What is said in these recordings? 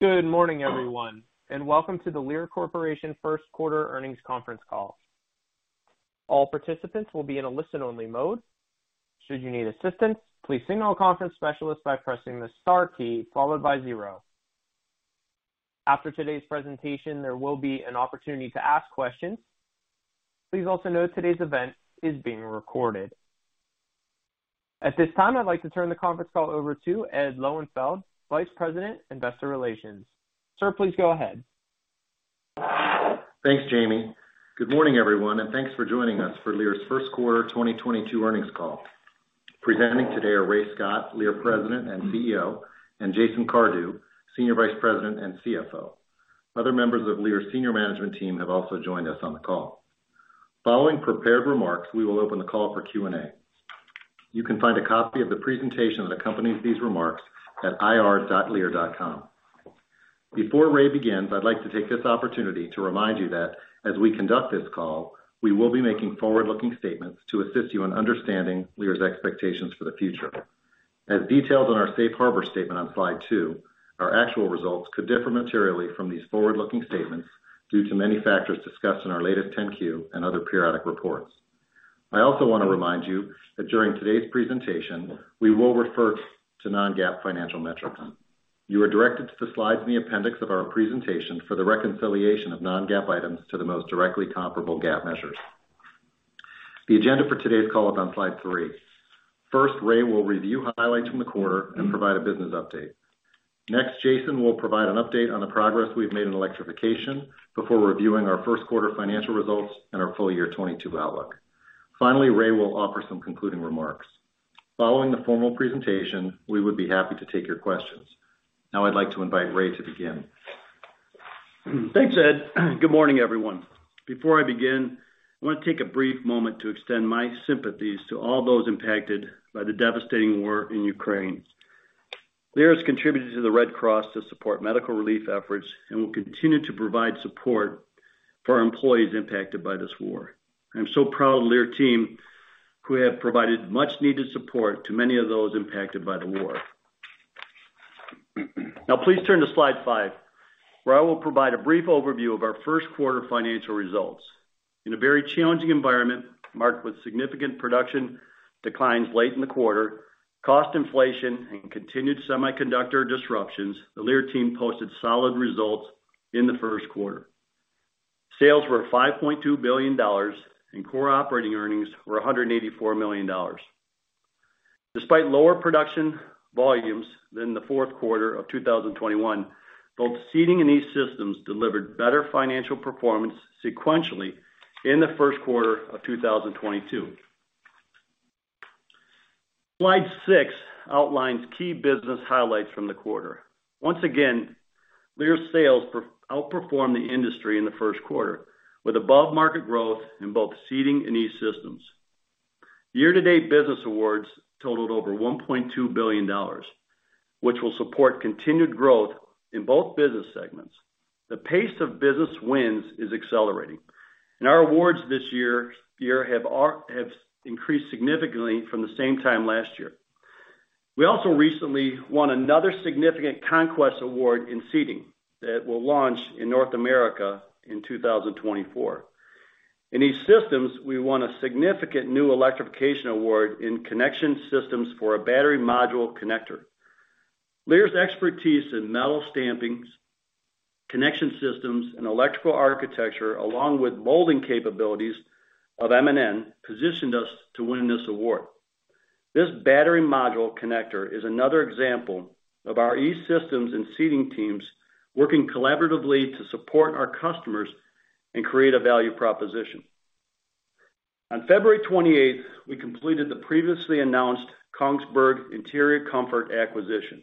Good morning, everyone, and welcome to the Lear Corporation’s First Quarter Earnings Conference Call. All participants will be in a listen-only mode. Should you need assistance, please signal a conference specialist by pressing the star key followed by zero. After today's presentation, there will be an opportunity to ask questions. Please also note today's event is being recorded. At this time, I'd like to turn the conference call over to Ed Lowenfeld, Vice President, Investor Relations. Sir, please go ahead. Thanks, Jamie. Good morning, everyone, and thanks for joining us for Lear's First Quarter 2022 Earnings Call. Presenting today are Ray Scott, Lear President and CEO, and Jason Cardew, Senior Vice President and CFO. Other members of Lear's senior management team have also joined us on the call. Following prepared remarks, we will open the call for Q&A. You can find a copy of the presentation that accompanies these remarks at ir.lear.com. Before Ray begins, I'd like to take this opportunity to remind you that as we conduct this call, we will be making forward-looking statements to assist you in understanding Lear's expectations for the future. As detailed in our safe harbor statement on slide two, our actual results could differ materially from these forward-looking statements due to many factors discussed in our latest Form 10-Q and other periodic reports. I also wanna remind you that during today's presentation, we will refer to non-GAAP financial metrics. You are directed to the slides in the appendix of our presentation for the reconciliation of non-GAAP items to the most directly comparable GAAP measures. The agenda for today is shown on slide three. First, Ray will review highlights from the quarter and provide a business update. Next, Jason will provide an update on the progress we've made in electrification before reviewing our first quarter financial results and our full year 2022 outlook. Finally, Ray will offer some concluding remarks. Following the formal presentation, we would be happy to take your questions. Now I'd like to invite Ray to begin. Thanks, Ed. Good morning, everyone. Before I begin, I wanna take a brief moment to extend my sympathies to all those impacted by the devastating war in Ukraine. Lear has contributed to the Red Cross to support medical relief efforts and will continue to provide support for our employees impacted by this war. I'm so proud of Lear team, who have provided much-needed support to many of those impacted by the war. Now, please turn to slide five, where I will provide a brief overview of our first quarter financial results. In a very challenging environment marked with significant production declines late in the quarter, cost inflation and continued semiconductor disruptions, the Lear team posted solid results in the first quarter. Sales were $5.2 billion and core operating earnings were $184 million. Despite lower production volumes than the fourth quarter of 2021, both Seating and E-Systems delivered better financial performance sequentially in the first quarter of 2022. Slide six outlines key business highlights from the quarter. Once again, Lear's sales outperformed the industry in the first quarter with above-market growth in both Seating and E-Systems. Year-to-date business awards totaled over $1.2 billion, which will support continued growth in both business segments. The pace of business wins is accelerating, and our awards this year have increased significantly from the same time last year. We also recently won another significant conquest award in Seating that will launch in North America in 2024. In E-Systems, we won a significant new electrification award in connection systems for a battery module connector. Lear's expertise in metal stampings, connection systems, and electrical architecture, along with molding capabilities of M&N, positioned us to win this award. This battery module connector is another example of our E-Systems and Seating teams working collaboratively to support our customers and create a value proposition. On February 28th, we completed the previously announced Kongsberg Interior Comfort acquisition.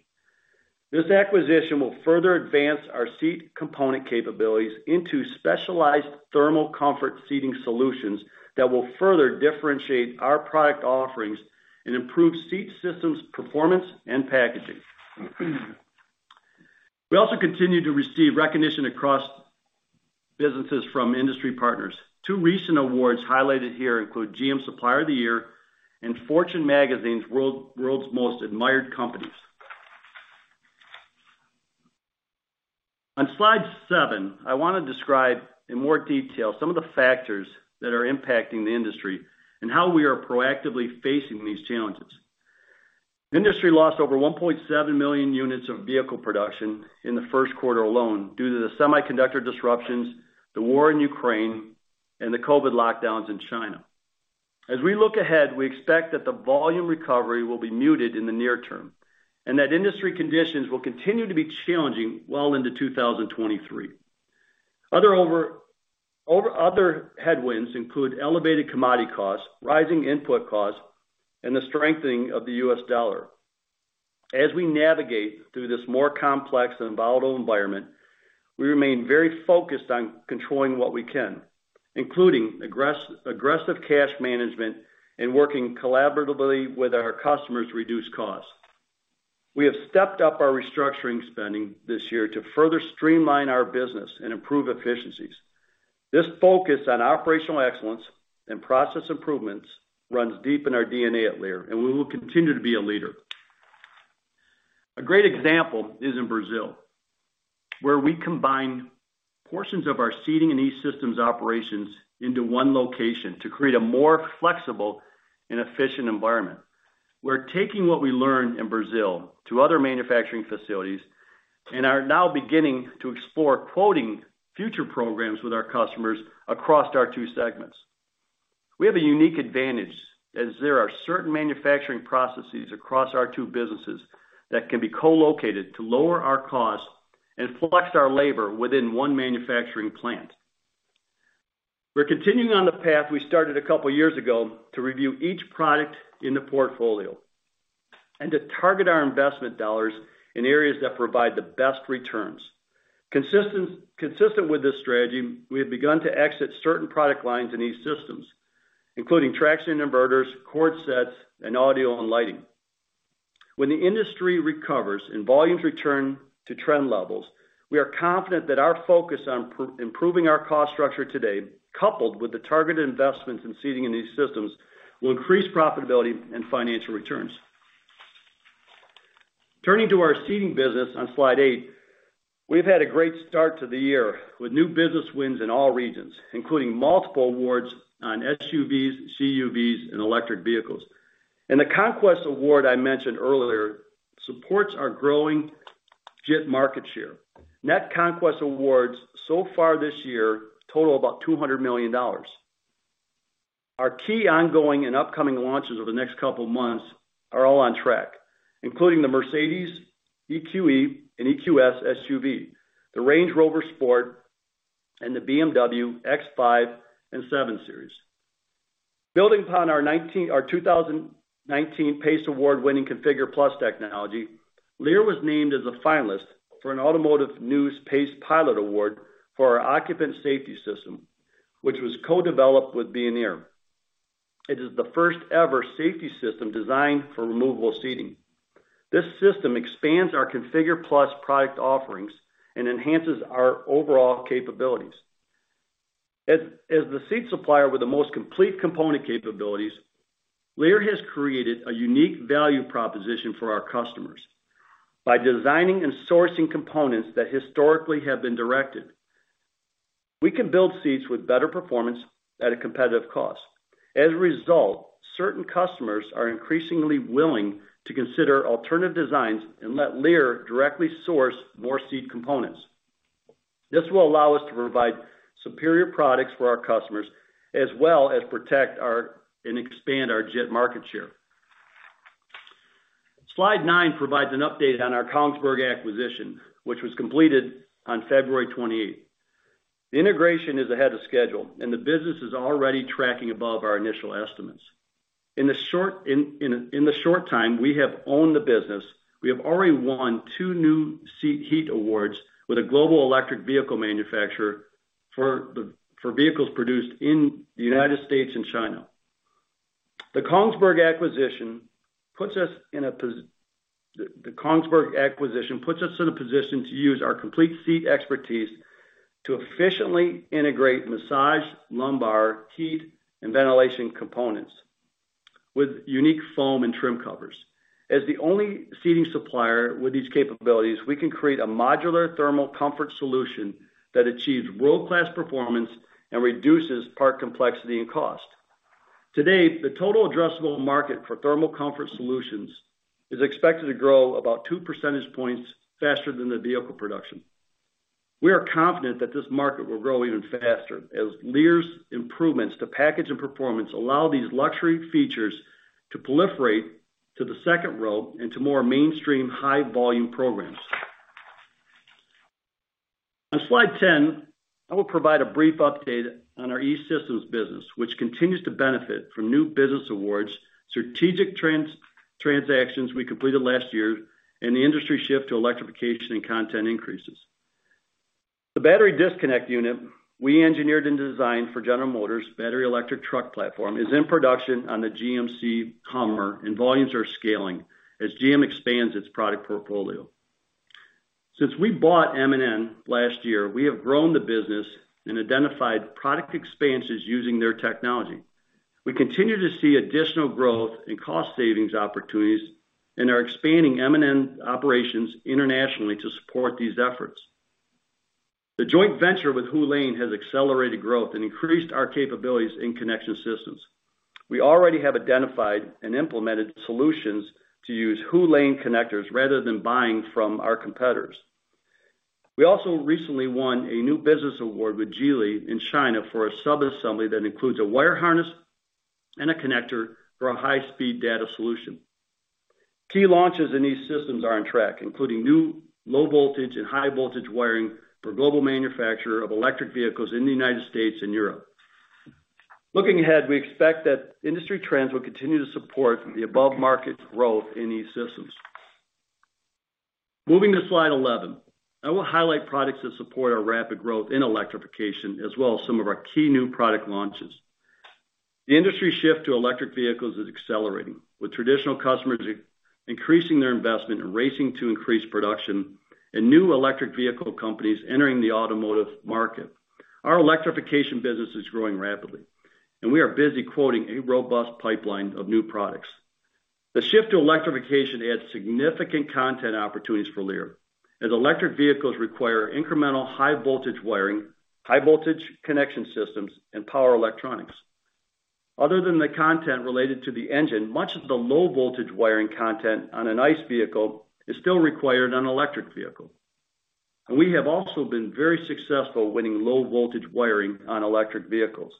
This acquisition will further advance our seat component capabilities into specialized thermal comfort seating solutions that will further differentiate our product offerings and improve seat systems performance and packaging. We also continue to receive recognition across businesses from industry partners. Two recent awards highlighted here include GM Supplier of the Year and Fortune Magazine's World's Most Admired Companies. On slide seven, I wanna describe in more detail some of the factors that are impacting the industry and how we are proactively facing these challenges. The industry lost over 1.7 million units of vehicle production in the first quarter alone due to the semiconductor disruptions, the war in Ukraine, and the COVID lockdowns in China. As we look ahead, we expect that the volume recovery will be muted in the near term and that industry conditions will continue to be challenging well into 2023. Other headwinds include elevated commodity costs, rising input costs, and the strengthening of the U.S. dollar. As we navigate through this more complex and volatile environment, we remain very focused on controlling what we can, including aggressive cash management and working collaboratively with our customers to reduce costs. We have stepped up our restructuring spending this year to further streamline our business and improve efficiencies. This focus on operational excellence and process improvements runs deep in our DNA at Lear, and we will continue to be a leader. A great example is in Brazil, where we combine portions of our Seating and E-Systems operations into one location to create a more flexible and efficient environment. We're taking what we learned in Brazil to other manufacturing facilities and are now beginning to explore quoting future programs with our customers across our two segments. We have a unique advantage as there are certain manufacturing processes across our two businesses that can be co-located to lower our costs and flex our labor within one manufacturing plant. We're continuing on the path we started a couple of years ago to review each product in the portfolio and to target our investment dollars in areas that provide the best returns. Consistent with this strategy, we have begun to exit certain product lines in E-Systems, including traction inverters, cord sets, and audio and lighting. When the industry recovers and volumes return to trend levels, we are confident that our focus on proactively improving our cost structure today, coupled with the targeted investments in Seating and E-Systems, will increase profitability and financial returns. Turning to our Seating business on slide eight, we've had a great start to the year with new business wins in all regions, including multiple awards on SUVs, CUVs, and electric vehicles. The Conquest Award I mentioned earlier supports our growing JIT market share. Net Conquest Awards so far this year total about $200 million. Our key ongoing and upcoming launches over the next couple of months are all on track, including the Mercedes-Benz EQE and EQS SUV, the Range Rover Sport, and the BMW X5 and 7 Series. Building upon our 2019 PACE Award-winning ConfigurE+ technology, Lear was named as a finalist for an Automotive News PACEpilot Award for our occupant safety system, which was co-developed with Veoneer. It is the first-ever safety system designed for removable seating. This system expands our ConfigurE+ product offerings and enhances our overall capabilities. As the seat supplier with the most complete component capabilities, Lear has created a unique value proposition for our customers by designing and sourcing components that historically have been directed. We can build seats with better performance at a competitive cost. As a result, certain customers are increasingly willing to consider alternative designs and let Lear directly source more seat components. This will allow us to provide superior products for our customers as well as protect our, and expand our JIT market share. Slide nine provides an update on our Kongsberg acquisition, which was completed on February 28th. The integration is ahead of schedule and the business is already tracking above our initial estimates. In the short time we have owned the business, we have already won two new seating awards with a global electric vehicle manufacturer for vehicles produced in the United States and China. The Kongsberg acquisition puts us in a position to use our complete seat expertise to efficiently integrate massage, lumbar, heat, and ventilation components with unique foam and trim covers. As the only seating supplier with these capabilities, we can create a modular thermal comfort solution that achieves world-class performance and reduces part complexity and cost. To date, the total addressable market for thermal comfort solutions is expected to grow about 2 percentage points faster than the vehicle production. We are confident that this market will grow even faster as Lear's improvements to package and performance allow these luxury features to proliferate to the second row into more mainstream high-volume programs. On slide ten, I will provide a brief update on our E-Systems business, which continues to benefit from new business awards, strategic transactions we completed last year and the industry shift to electrification and content increases. The battery disconnect unit we engineered and designed for General Motors' battery electric truck platform is in production on the GMC Hummer, and volumes are scaling as GM expands its product portfolio. Since we bought M&N last year, we have grown the business and identified product expansions using their technology. We continue to see additional growth and cost savings opportunities and are expanding M&N operations internationally to support these efforts. The joint venture with Hu Lane has accelerated growth and increased our capabilities in connector systems. We already have identified and implemented solutions to use Hu Lane connectors rather than buying from our competitors. We also recently won a new business award with Geely in China for a sub-assembly that includes a wire harness and a connector for a high-speed data solution. Key launches in E-Systems are on track, including new low voltage and high voltage wiring for global manufacturer of electric vehicles in the United States and Europe. Looking ahead, we expect that industry trends will continue to support the above market growth in E-Systems. Moving to slide 11, I will highlight products that support our rapid growth in electrification as well as some of our key new product launches. The industry shift to electric vehicles is accelerating, with traditional customers increasing their investment and racing to increase production and new electric vehicle companies entering the automotive market. Our electrification business is growing rapidly, and we are busy quoting a robust pipeline of new products. The shift to electrification adds significant content opportunities for Lear, as electric vehicles require incremental high voltage wiring, high voltage connection systems and power electronics. Other than the content related to the engine, much of the low voltage wiring content on an ICE vehicle is still required on an electric vehicle. We have also been very successful winning low voltage wiring on electric vehicles.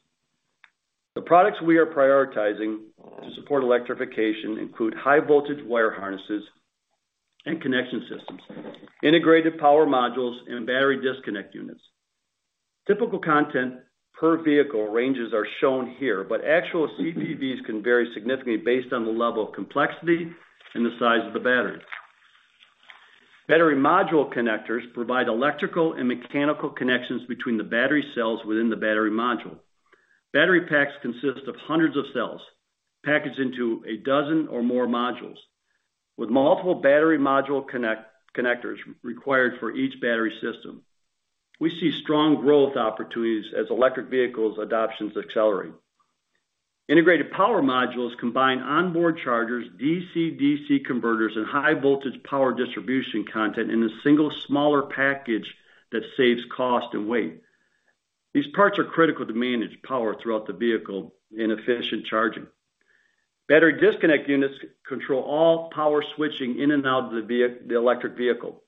The products we are prioritizing to support electrification include high voltage wire harnesses and connection systems, integrated power modules and battery disconnect units. Typical content per vehicle ranges are shown here, but actual CPVs can vary significantly based on the level of complexity and the size of the battery. Battery module connectors provide electrical and mechanical connections between the battery cells within the battery module. Battery packs consist of hundreds of cells packaged into a dozen or more modules. With multiple battery module connectors required for each battery system, we see strong growth opportunities as electric vehicle adoption accelerates. Integrated power modules combine onboard chargers, DC-DC converters and high voltage power distribution content in a single smaller package that saves cost and weight. These parts are critical to manage power throughout the vehicle for efficient charging. Battery disconnect units control all power switching in and out of the electric vehicle.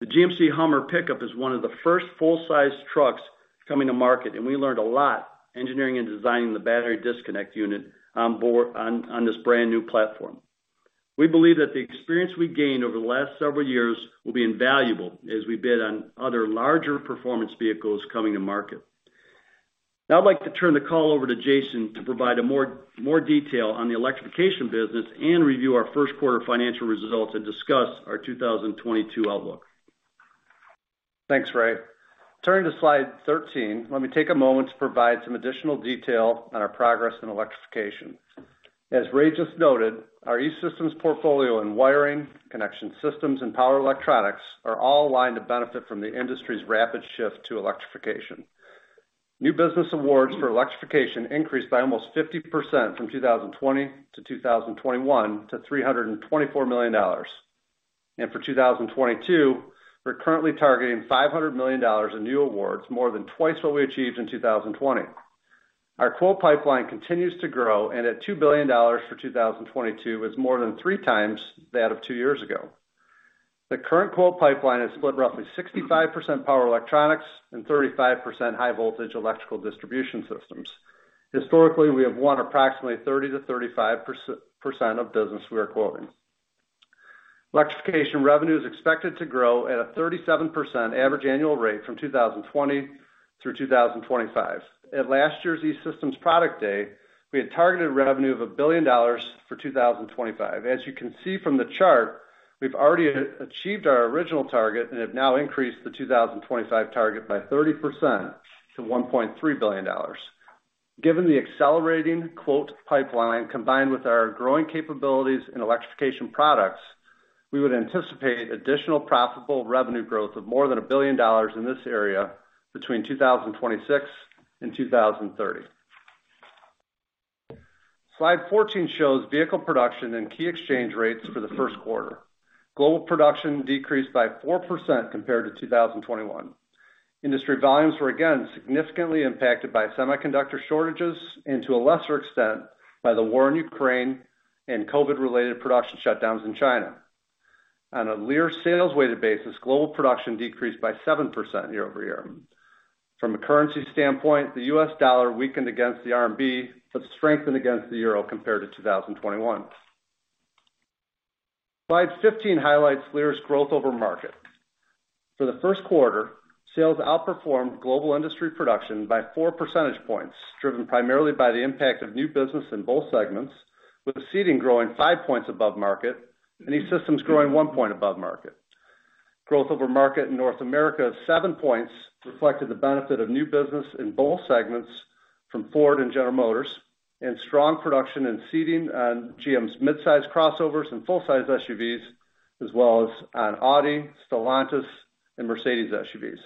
The GMC Hummer pickup is one of the first full-size trucks coming to market, and we learned a lot in engineering and designing the battery disconnect unit onboard on this brand-new platform. We believe that the experience we gained over the last several years will be invaluable as we bid on other larger performance vehicles coming to market. Now, I'd like to turn the call over to Jason to provide more detail on the electrification business and review our first quarter financial results and discuss our 2022 outlook. Thanks, Ray. Turning to slide 13, let me take a moment to provide some additional detail on our progress in electrification. As Ray just noted, our E-Systems portfolio in wiring, connection systems, and power electronics are all aligned to benefit from the industry's rapid shift to electrification. New business awards for electrification increased by almost 50% from 2020 to 2021 to $324 million. For 2022, we're currently targeting $500 million in new awards, more than twice what we achieved in 2020. Our quote pipeline continues to grow, and at $2 billion for 2022 is more than 3x that of two years ago. The current quote pipeline is split roughly 65% power electronics and 35% high voltage electrical distribution systems. Historically, we have won approximately 30%-35% of business we are quoting. Electrification revenue is expected to grow at a 37% average annual rate from 2020 through 2025. At last year's E-Systems Product Day, we had targeted revenue of $1 billion for 2025. As you can see from the chart, we've already achieved our original target and have now increased the 2025 target by 30% to $1.3 billion. Given the accelerating quote pipeline combined with our growing capabilities in electrification products, we would anticipate additional profitable revenue growth of more than $1 billion in this area between 2026 and 2030. Slide 14 shows vehicle production and key exchange rates for the first quarter. Global production decreased by 4% compared to 2021. Industry volumes were again significantly impacted by semiconductor shortages and to a lesser extent by the war in Ukraine and COVID-related production shutdowns in China. On a Lear sales-weighted basis, global production decreased by 7% year-over-year. From a currency standpoint, the U.S. dollar weakened against the RMB, but strengthened against the euro compared to 2021. Slide 15 highlights Lear's growth over market. For the first quarter, sales outperformed global industry production by four percentage points, driven primarily by the impact of new business in both segments, with the Seating growing fiv points above market and E-Systems growing one point above market. Growth over market in North America of seven points reflected the benefit of new business in both segments from Ford and General Motors, and strong production in seating on GM's midsize crossovers and full-size SUVs, as well as on Audi, Stellantis and Mercedes SUVs.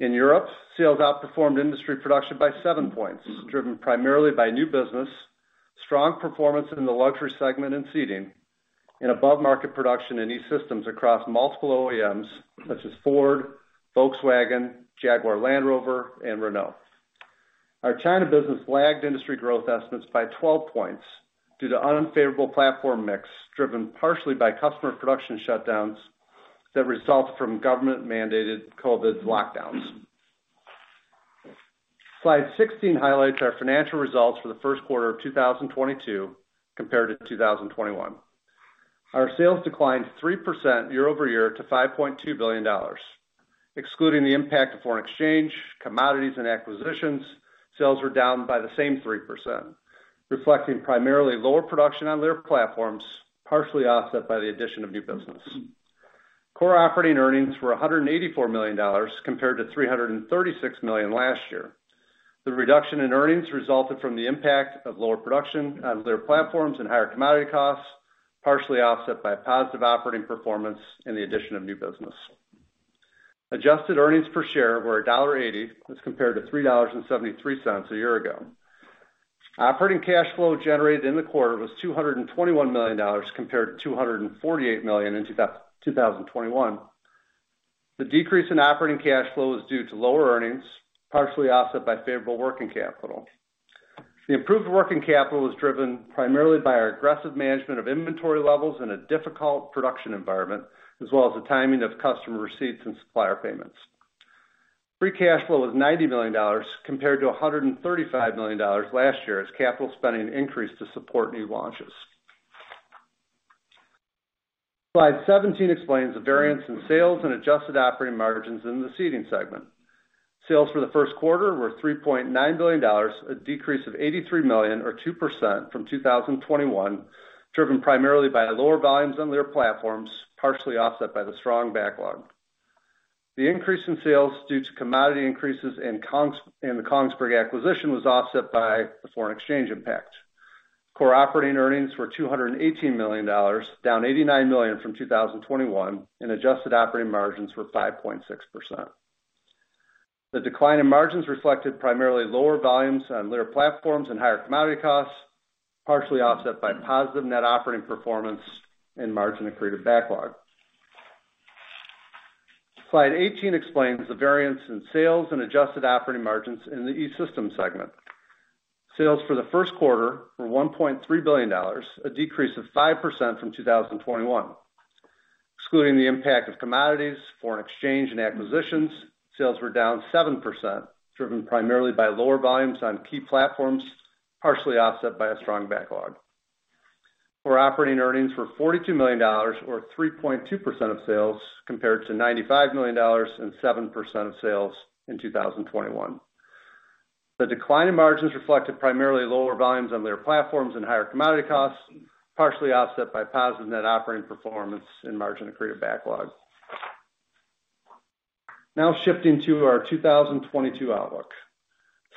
In Europe, sales outperformed industry production by seven points, driven primarily by new business, strong performance in the luxury segment and seating, and above-market production in E-Systems across multiple OEMs such as Ford, Volkswagen, Jaguar Land Rover, and Renault. Our China business lagged industry growth estimates by 12 points due to unfavorable platform mix, driven partially by customer production shutdowns that result from government-mandated COVID lockdowns. Slide 16 highlights our financial results for the first quarter of 2022 compared to 2021. Our sales declined 3% year-over-year to $5.2 billion. Excluding the impact of foreign exchange, commodities, and acquisitions, sales were down by the same 3%, reflecting primarily lower production on Lear platforms, partially offset by the addition of new business. Core operating earnings were $184 million compared to $336 million last year. The reduction in earnings resulted from the impact of lower production on Lear platforms and higher commodity costs, partially offset by positive operating performance and the addition of new business. Adjusted earnings per share were $1.80 as compared to $3.73 a year ago. Operating cash flow generated in the quarter was $221 million compared to $248 million in 2021. The decrease in operating cash flow was due to lower earnings, partially offset by favorable working capital. The improved working capital was driven primarily by our aggressive management of inventory levels in a difficult production environment, as well as the timing of customer receipts and supplier payments. Free cash flow was $90 million compared to $135 million last year, as capital spending increased to support new launches. Slide 17 explains the variance in sales and adjusted operating margins in the Seating segment. Sales for the first quarter were $3.9 billion, a decrease of $83 million or 2% from 2021, driven primarily by lower volumes on Lear platforms, partially offset by the strong backlog. The increase in sales due to commodity increases in the Kongsberg acquisition was offset by the foreign exchange impact. Core operating earnings were $218 million, down $89 million from 2021, and adjusted operating margins were 5.6%. The decline in margins reflected primarily lower volumes on Lear platforms and higher commodity costs, partially offset by positive net operating performance and margin-accretive backlog. Slide 18 explains the variance in sales and adjusted operating margins in the E-Systems segment. Sales for the first quarter were $1.3 billion, a decrease of 5% from 2021. Excluding the impact of commodities, foreign exchange, and acquisitions, sales were down 7%, driven primarily by lower volumes on key platforms, partially offset by a strong backlog. Our operating earnings were $42 million or 3.2% of sales, compared to $95 million and 7% of sales in 2021. The decline in margins reflected primarily lower volumes on Lear platforms and higher commodity costs, partially offset by positive net operating performance and margin accretive backlog. Now shifting to our 2022 outlook.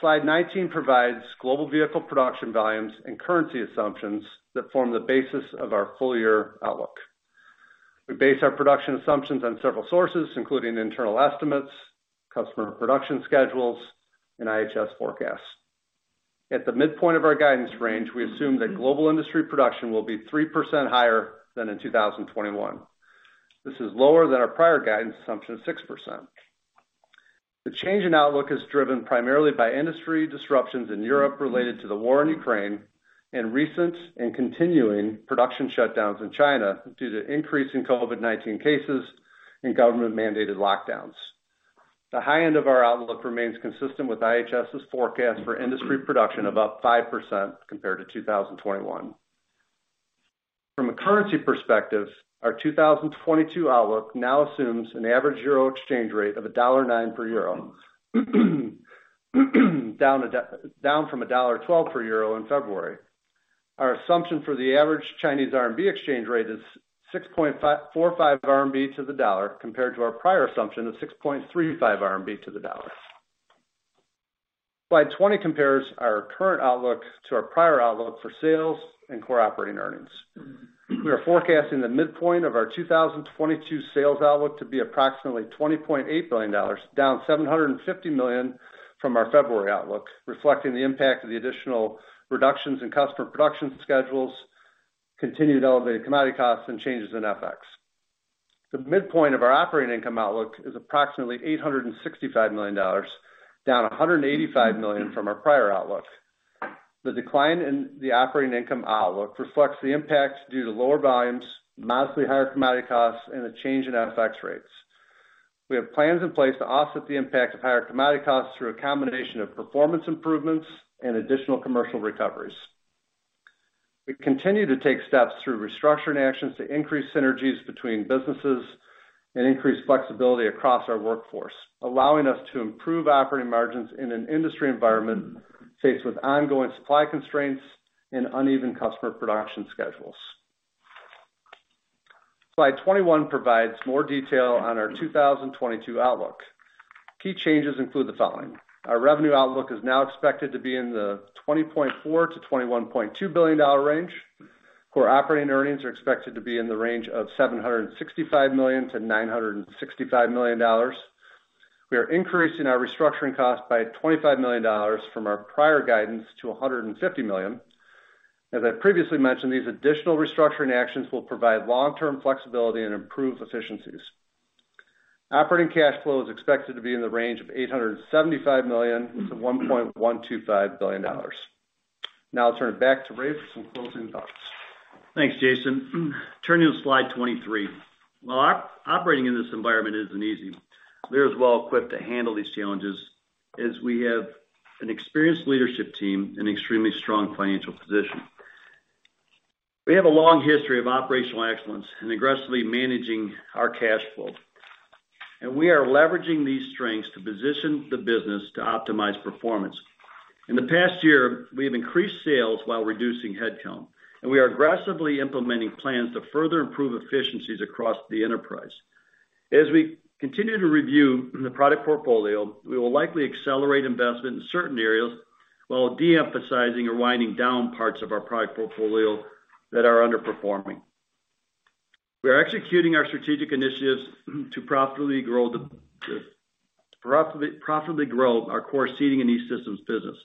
Slide 19 provides global vehicle production volumes and currency assumptions that form the basis of our full year outlook. We base our production assumptions on several sources, including internal estimates, customer production schedules, and IHS forecasts. At the midpoint of our guidance range, we assume that global industry production will be 3% higher than in 2021. This is lower than our prior guidance assumption of 6%. The change in outlook is driven primarily by industry disruptions in Europe related to the war in Ukraine and recent and continuing production shutdowns in China due to increase in COVID-19 cases and government-mandated lockdowns. The high end of our outlook remains consistent with IHS's forecast for industry production of up 5% compared to 2021. From a currency perspective, our 2022 outlook now assumes an average euro exchange rate of $1.09 per euro, down from $1.12 per euro in February. Our assumption for the average Chinese RMB exchange rate is 6.45 RMB to the dollar, compared to our prior assumption of 6.35 RMB to the dollar. Slide 20 compares our current outlook to our prior outlook for sales and core operating earnings. We are forecasting the midpoint of our 2022 sales outlook to be approximately $20.8 billion, down $750 million from our February outlook, reflecting the impact of the additional reductions in customer production schedules, continued elevated commodity costs, and changes in FX. The midpoint of our operating income outlook is approximately $865 million, down $185 million from our prior outlook. The decline in the operating income outlook reflects the impacts due to lower volumes, modestly higher commodity costs, and a change in FX rates. We have plans in place to offset the impact of higher commodity costs through a combination of performance improvements and additional commercial recoveries. We continue to take steps through restructuring actions to increase synergies between businesses and increase flexibility across our workforce, allowing us to improve operating margins in an industry environment faced with ongoing supply constraints and uneven customer production schedules. Slide 21 provides more detail on our 2022 outlook. Key changes include the following. Our revenue outlook is now expected to be in the $20.4 billion-$21.2 billion range. Core operating earnings are expected to be in the range of $765 million-$965 million. We are increasing our restructuring cost by $25 million from our prior guidance to $150 million. As I previously mentioned, these additional restructuring actions will provide long-term flexibility and improve efficiencies. Operating cash flow is expected to be in the range of $875 million-$1.125 billion. Now I'll turn it back to Ray for some closing thoughts. Thanks, Jason. Turning to slide 23. While operating in this environment isn't easy, Lear is well equipped to handle these challenges as we have an experienced leadership team and extremely strong financial position. We have a long history of operational excellence in aggressively managing our cash flow. We are leveraging these strengths to position the business to optimize performance. In the past year, we have increased sales while reducing headcount, and we are aggressively implementing plans to further improve efficiencies across the enterprise. As we continue to review the product portfolio, we will likely accelerate investment in certain areas while de-emphasizing or winding down parts of our product portfolio that are underperforming. We are executing our strategic initiatives to profitably grow our core Seating and E-Systems business.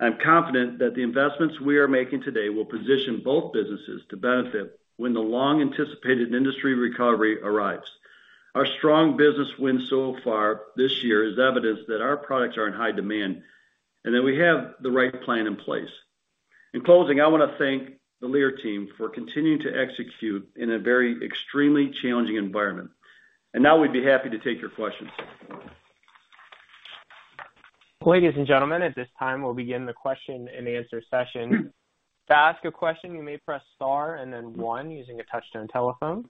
I'm confident that the investments we are making today will position both businesses to benefit when the long-anticipated industry recovery arrives. Our strong business wins so far this year is evidence that our products are in high demand and that we have the right plan in place. In closing, I want to thank the Lear team for continuing to execute in a very extremely challenging environment. Now we'd be happy to take your questions. Ladies and gentlemen, at this time, we'll begin the question-and-answer session. To ask a question, you may press star and then one using a touch-tone telephone.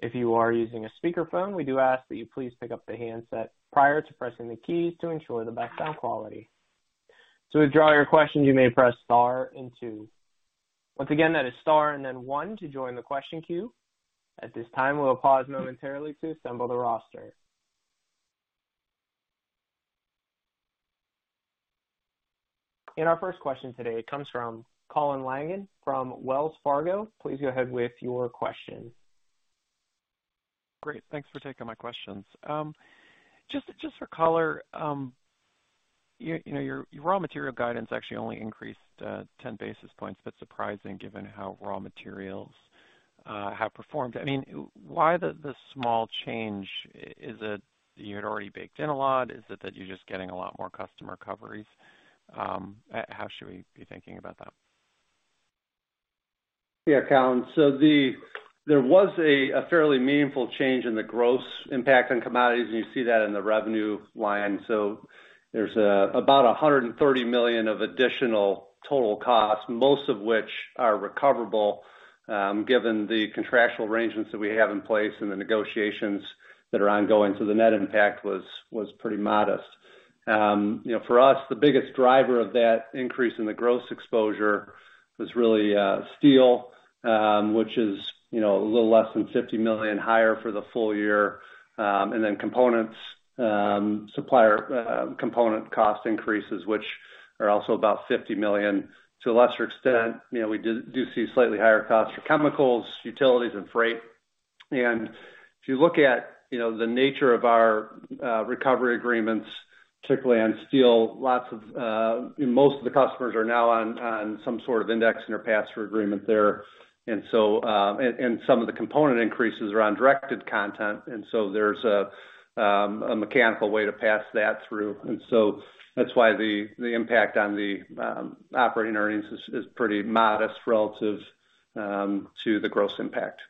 If you are using a speakerphone, we do ask that you please pick up the handset prior to pressing the keys to ensure the best sound quality. To withdraw your question, you may press star and two. Once again, that is star and then one to join the question queue. At this time, we'll pause momentarily to assemble the roster. Our first question today comes from Colin Langan from Wells Fargo. Please go ahead with your question. Great. Thanks for taking my questions. Just for color, your raw material guidance actually only increased 10 basis points. That's surprising given how raw materials have performed. I mean, why the small change? Is it you had already baked in a lot? Is it that you're just getting a lot more customer recoveries? How should we be thinking about that? Yeah, Colin. There was a fairly meaningful change in the gross impact on commodities, and you see that in the revenue line. There's about $130 million of additional total costs, most of which are recoverable, given the contractual arrangements that we have in place and the negotiations that are ongoing. The net impact was pretty modest. For us, the biggest driver of that increase in the gross exposure was really steel, which is a little less than $50 million higher for the full year, and then components, supplier component cost increases, which are also about $50 million. To a lesser extent, we do see slightly higher costs for chemicals, utilities, and freight. If you look atmthe nature of our recovery agreements, particularly on steel, most of the customers are now on some sort of index in their pass-through agreement there. Some of the component increases are on directed content, and so there's a mechanical way to pass that through. That's why the impact on the operating earnings is pretty modest relative to the gross impact.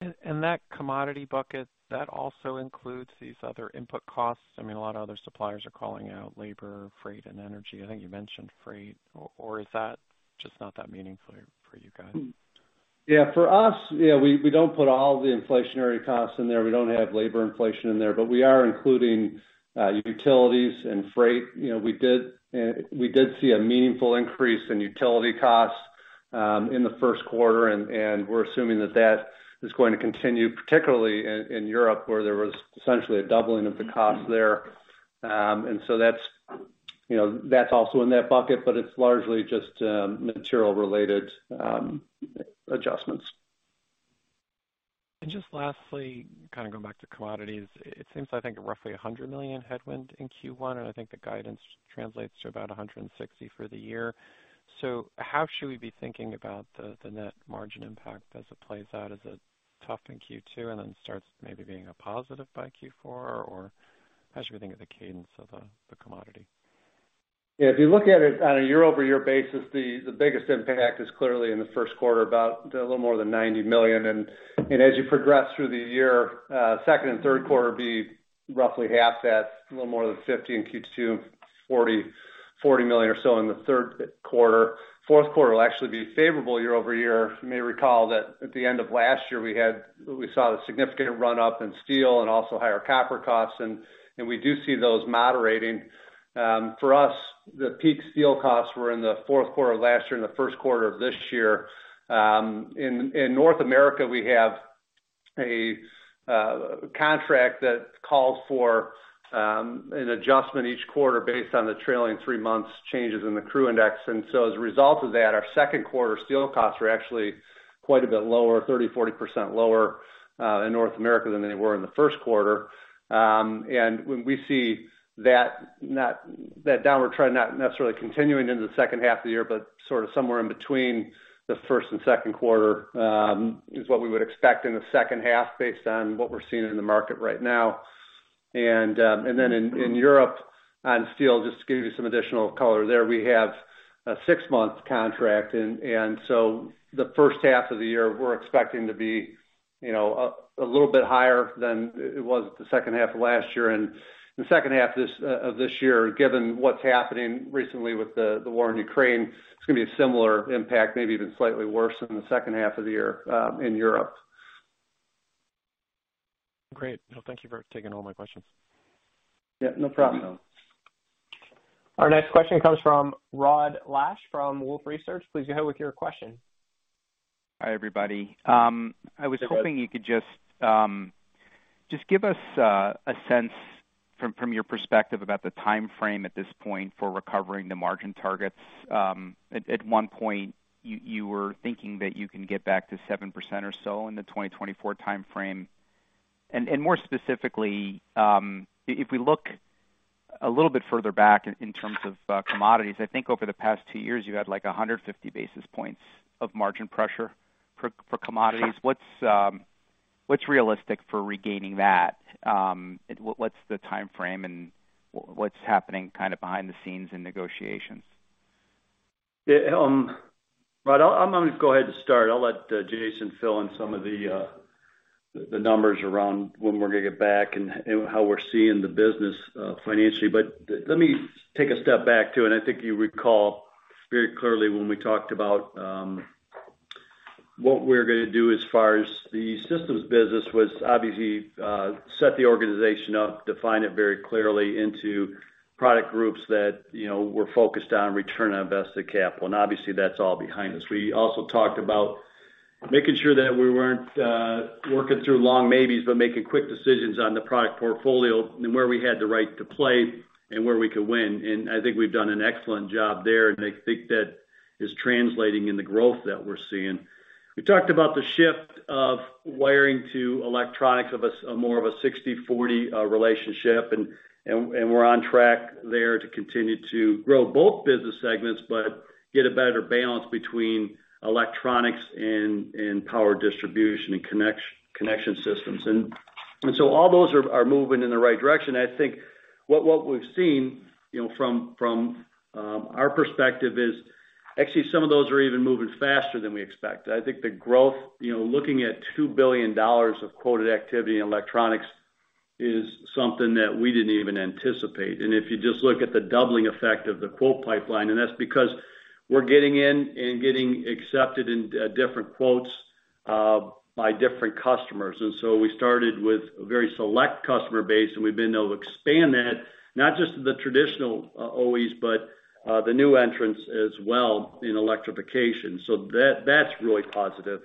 that commodity bucket, that also includes these other input costs. I mean, a lot of other suppliers are calling out labor, freight, and energy. I think you mentioned freight, or is that just not that meaningful for you guys? Yeah. For us, yeah, we don't put all the inflationary costs in there. We don't have labor inflation in there. We are including utilities and freight. We did see a meaningful increase in utility costs in the first quarter, and we're assuming that is going to continue, particularly in Europe, where there was essentially a doubling of the costs there. That's also in that bucket, but it's largely just material-related adjustments. Just lastly, kind of going back to commodities, it seems, I think, roughly $100 million headwind in Q1, and I think the guidance translates to about $160 million for the year. How should we be thinking about the net margin impact as it plays out? Is it tough in Q2 and then starts maybe being a positive by Q4? How should we think of the cadence of the commodity? Yeah. If you look at it on a year-over-year basis, the biggest impact is clearly in the first quarter, about a little more than $90 million. As you progress through the year, second and third quarter will be roughly half that, a little more than $50 million in Q2, $40 million or so in the third quarter. Fourth quarter will actually be favorable year-over-year. You may recall that at the end of last year, we saw the significant run-up in steel and also higher copper costs, and we do see those moderating. For us, the peak steel costs were in the fourth quarter of last year and the first quarter of this year. In North America, we have a contract that calls for an adjustment each quarter based on the trailing three months changes in the CRU index. As a result of that, our second quarter steel costs are actually quite a bit lower, 30%-40% lower, in North America than they were in the first quarter. When we see that downward trend not necessarily continuing into the second half of the year, but sort of somewhere in between the first and second quarter, is what we would expect in the second half based on what we're seeing in the market right now. In Europe on steel, just to give you some additional color there, we have a six-month contract, so the first half of the year we're expecting to be a little bit higher than it was the second half of last year. The second half of this year, given what's happening recently with the war in Ukraine, it's gonna be a similar impact, maybe even slightly worse than the second half of the year in Europe. Great. No, thank you for taking all my questions. Yeah, no problem. Our next question comes from Rod Lache from Wolfe Research. Please go ahead with your question. Hi, everybody. I was hoping you could just give us a sense from your perspective about the timeframe at this point for recovering the margin targets. At one point you were thinking that you can get back to 7% or so in the 2024 timeframe. More specifically, if we look a little bit further back in terms of commodities, I think over the past two years, you had, like, 150 basis points of margin pressure for commodities. What's realistic for regaining that? What's the timeframe and what's happening kind of behind the scenes in negotiations? Yeah, Rod, I'm gonna go ahead and start. I'll let Jason fill in some of the numbers around when we're gonna get back and how we're seeing the business financially. Let me take a step back too, and I think you recall very clearly when we talked about what we're gonna do as far as the systems business was obviously set the organization up, define it very clearly into product groups that we're focused on return on invested capital, and obviously that's all behind us. We also talked about making sure that we weren't working through long maybes, but making quick decisions on the product portfolio and where we had the right to play and where we could win. I think we've done an excellent job there, and I think that is translating in the growth that we're seeing. We talked about the shift of wiring to electronics of more of a 60/40 relationship, and we're on track there to continue to grow both business segments, but get a better balance between electronics, and power distribution, and connection systems. So all those are moving in the right direction. I think what we've seen from our perspective is actually some of those are even moving faster than we expect. I think the growth, looking at $2 billion of quoted activity in electronics is something that we didn't even anticipate. If you just look at the doubling effect of the quote pipeline, and that's because we're getting in and getting accepted in different quotes by different customers. We started with a very select customer base, and we've been able to expand that, not just to the traditional OEMs, but the new entrants as well in electrification. That's really positive.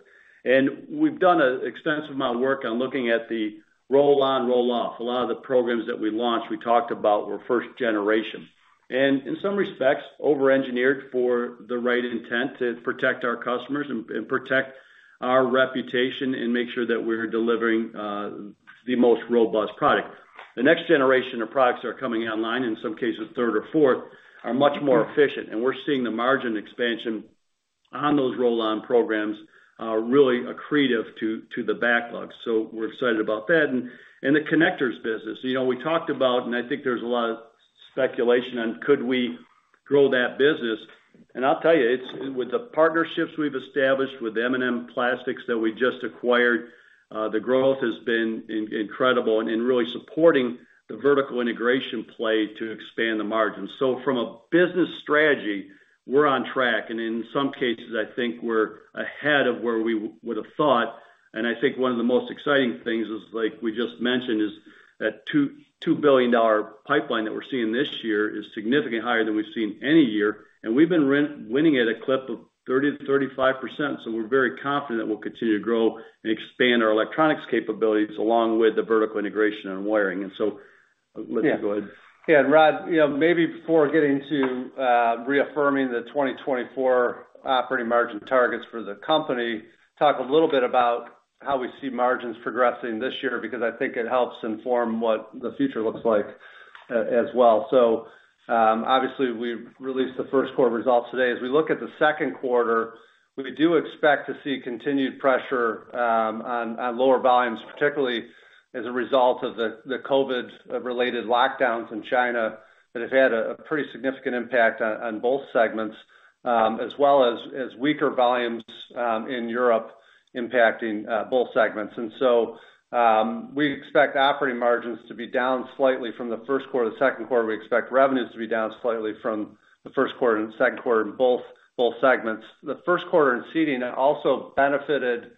We've done an extensive amount of work on looking at the roll-on, roll-off. A lot of the programs that we launched, we talked about were first generation, and in some respects, over-engineered for the right intent to protect our customers and protect our reputation and make sure that we're delivering the most robust product. The next generation of products are coming online, in some cases, third or fourth are much more efficient, and we're seeing the margin expansion on those roll-on programs, really accretive to the backlog. We're excited about that. The connectors business, we talked about, and I think there's a lot of speculation on could we grow that business. I'll tell you, it's with the partnerships we've established with M&N Plastics that we just acquired, the growth has been incredible in really supporting the vertical integration play to expand the margins. From a business strategy, we're on track, and in some cases, I think we're ahead of where we would've thought. I think one of the most exciting things is, like we just mentioned, that $2 billion pipeline that we're seeing this year is significantly higher than we've seen any year, and we've been winning at a clip of 30%-35%. We're very confident we'll continue to grow and expand our electronics capabilities along with the vertical integration and wiring. Go ahead. Yeah. Rod, maybe before getting to reaffirming the 2024 operating margin targets for the company, talk a little bit about how we see margins progressing this year because I think it helps inform what the future looks like as well. Obviously we've released the first quarter results today. As we look at the second quarter, we do expect to see continued pressure on lower volumes, particularly as a result of the COVID-related lockdowns in China that have had a pretty significant impact on both segments, as well as weaker volumes in Europe impacting both segments. We expect operating margins to be down slightly from the first quarter to second quarter. We expect revenues to be down slightly from the first quarter and second quarter in both segments. The first quarter in Seating also benefited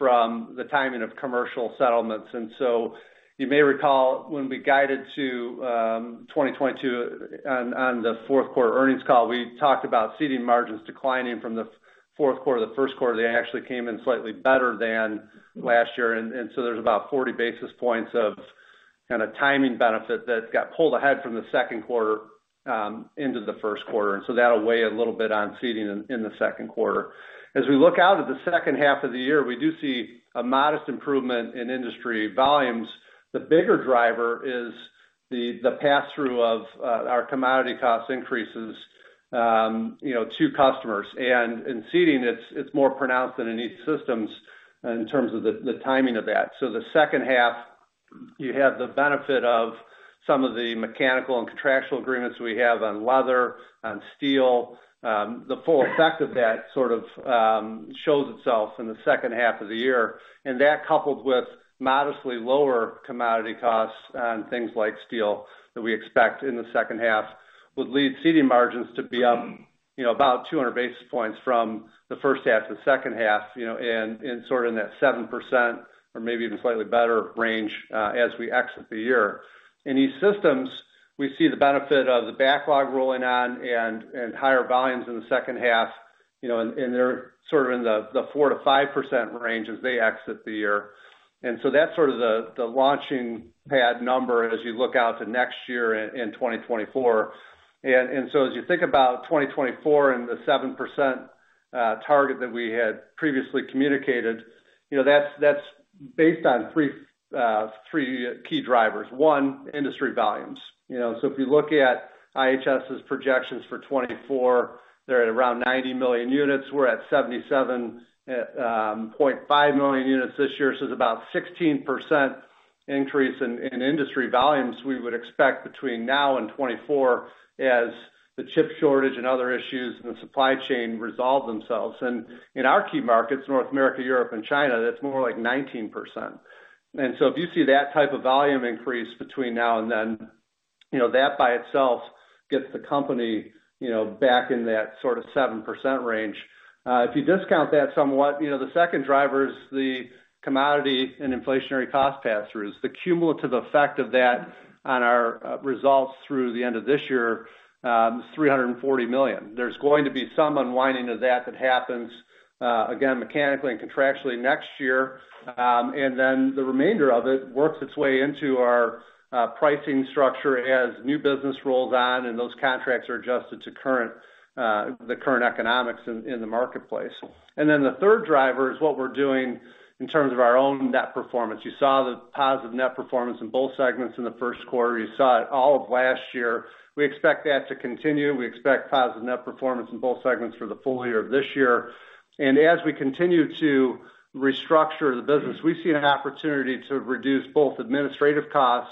from the timing of commercial settlements. You may recall when we guided to 2022 on the fourth quarter earnings call, we talked about Seating margins declining from the fourth quarter to the first quarter. They actually came in slightly better than last year, and so there's about 40 basis points of kinda timing benefit that got pulled ahead from the second quarter into the first quarter. That'll weigh a little bit on Seating in the second quarter. As we look out at the second half of the year, we do see a modest improvement in industry volumes. The bigger driver is the pass-through of our commodity cost increases to customers. In Seating, it's more pronounced than in E-Systems in terms of the timing of that. The second half, you have the benefit of some of the mechanical and contractual agreements we have on leather, on steel. The full effect of that sort of shows itself in the second half of the year. That coupled with modestly lower commodity costs on things like steel that we expect in the second half would lead Seating margins to be up about 200 basis points from the first half to the second half in that 7% or maybe even slightly better range, as we exit the year. In these systems, we see the benefit of the backlog rolling on and higher volumes in the second half, they're in the 4%-5% range as they exit the year. That's the launching pad number as you look out to next year in 2024. As you think about 2024 and the 7% target that we had previously communicated, that's based on three key drivers. One, industry volumes. So if you look at IHS's projections for 2024, they're at around 90 million units. We're at 77.5 million units this year, so it's about 16% increase in industry volumes we would expect between now and 2024 as the chip shortage and other issues in the supply chain resolve themselves. In our key markets, North America, Europe and China, that's more like 19%. If you see that type of volume increase between now and then, that by itself gets the company back in that 7% range. If you discount that somewhat, the second driver is the commodity and inflationary cost pass-throughs. The cumulative effect of that on our results through the end of this year is $340 million. There's going to be some unwinding of that that happens again, mechanically and contractually next year. The remainder of it works its way into our pricing structure as new business rolls on and those contracts are adjusted to current economics in the marketplace. The third driver is what we're doing in terms of our own net performance. You saw the positive net performance in both segments in the first quarter. You saw it all of last year. We expect that to continue. We expect positive net performance in both segments for the full year this year. As we continue to restructure the business, we see an opportunity to reduce both administrative costs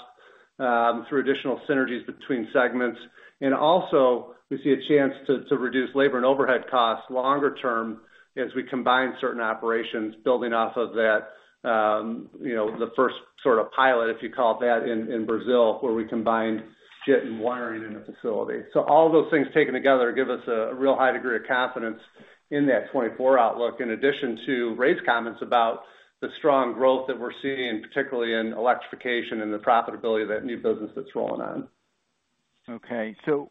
through additional synergies between segments. We see a chance to reduce labor and overhead costs longer term as we combine certain operations building off of that, the first sort of pilot, if you call it that, in Brazil, where we combined seat and wiring in a facility. All those things taken together give us a real high degree of confidence in that 2024 outlook, in addition to Ray's comments about the strong growth that we're seeing, particularly in electrification and the profitability of that new business that's rolling in.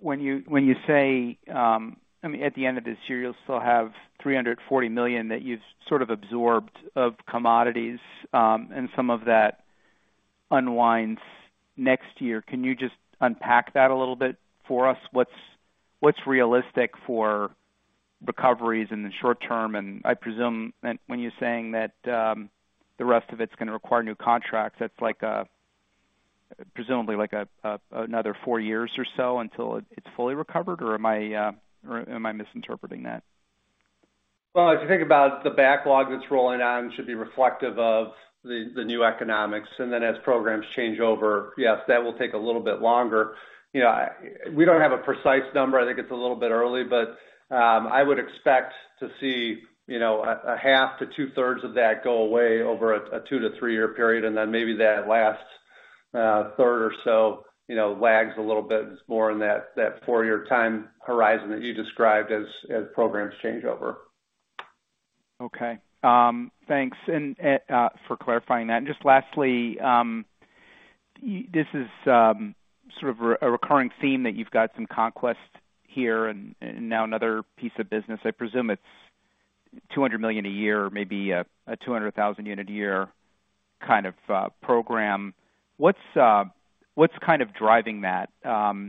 When you say, I mean, at the end of this year, you'll still have $340 million that you've sort of absorbed of commodities, and some of that unwinds next year. Can you just unpack that a little bit for us? What's realistic for recoveries in the short term? And I presume when you're saying that, the rest of it's gonna require new contracts, that's like, presumably like a another four years or so until it's fully recovered? Or am I misinterpreting that? Well, if you think about the backlog that's rolling on should be reflective of the new economics. As programs change over, yes, that will take a little bit longer. We don't have a precise number. I think it's a little bit early, but I would expect to see a half to two-thirds of that go away over a two to three-year period, and then maybe that last third or so, lags a little bit. It's more in that four-year time horizon that you described as programs change over. Okay. Thanks and for clarifying that. Just lastly, this is sort of a recurring theme that you've got some conquests here and now another piece of business. I presume it's $200 million a year or maybe a 200,000-unit-a-year kind of program. What's kind of driving that?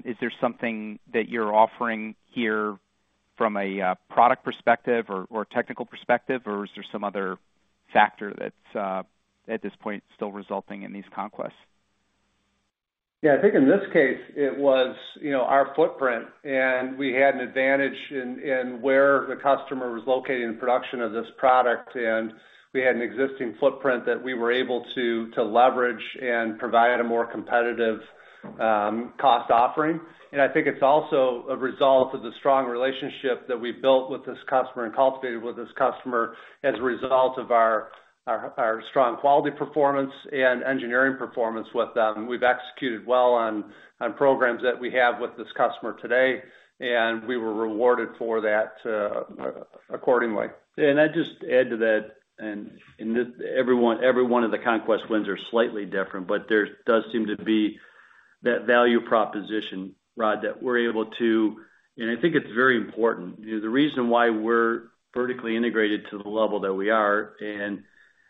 Is there something that you're offering here from a product perspective or technical perspective, or is there some other factor that's at this point still resulting in these conquests? Yeah, I think in this case it wasnour footprint, and we had an advantage in where the customer was located in production of this product. We had an existing footprint that we were able to to leverage and provide a more competitive cost offering. I think it's also a result of the strong relationship that we've built with this customer and cultivated with this customer as a result of our strong quality performance and engineering performance with them. We've executed well on programs that we have with this customer today, and we were rewarded for that accordingly. I'd just add to that, and in this, every one of the conquest wins are slightly different, but there does seem to be that value proposition, Rod, that we're able to. I think it's very important. You know, the reason why we're vertically integrated to the level that we are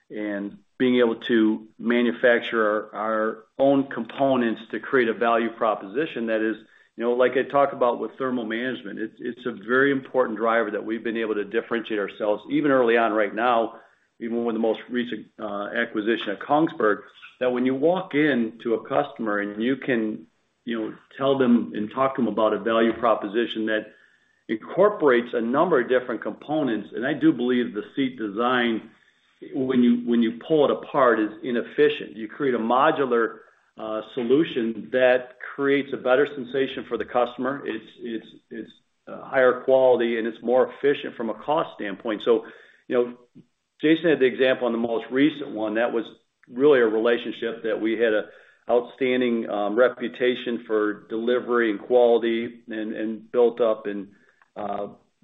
and being able to manufacture our own components to create a value proposition that is, like I talk about with thermal management, it's a very important driver that we've been able to differentiate ourselves even early on right now, even with the most recent acquisition at Kongsberg, that when you walk into a customer and you can tell them and talk to them about a value proposition that incorporates a number of different components, and I do believe the seat design, when you pull it apart, is inefficient. You create a modular solution that creates a better sensation for the customer. It's higher quality and it's more efficient from a cost standpoint. Jason had the example on the most recent one. That was really a relationship that we had a outstanding reputation for delivery and quality and built up and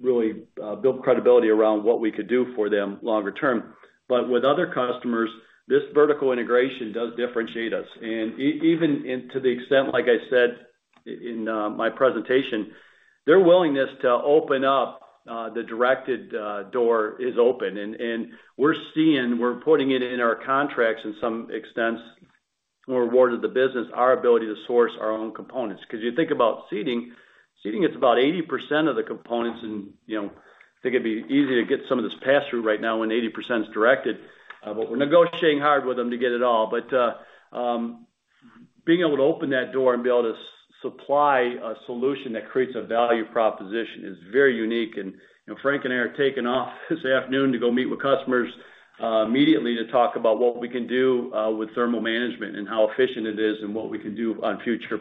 really built credibility around what we could do for them longer term. With other customers, this vertical integration does differentiate us. Even to the extent, like I said in my presentation, their willingness to open up the directed door is open. We're seeing, we're putting it in our contracts in some instances when we're awarded the business, our ability to source our own components. 'Cause you think about seating, it's about 80% of the components and I think it'd be easy to get some of this pass-through right now when 80% is directed, but we're negotiating hard with them to get it all. Being able to open that door and be able to supply a solution that creates a value proposition is very unique. Frank and I are taking off this afternoon to go meet with customers immediately to talk about what we can do with thermal management and how efficient it is and what we can do on future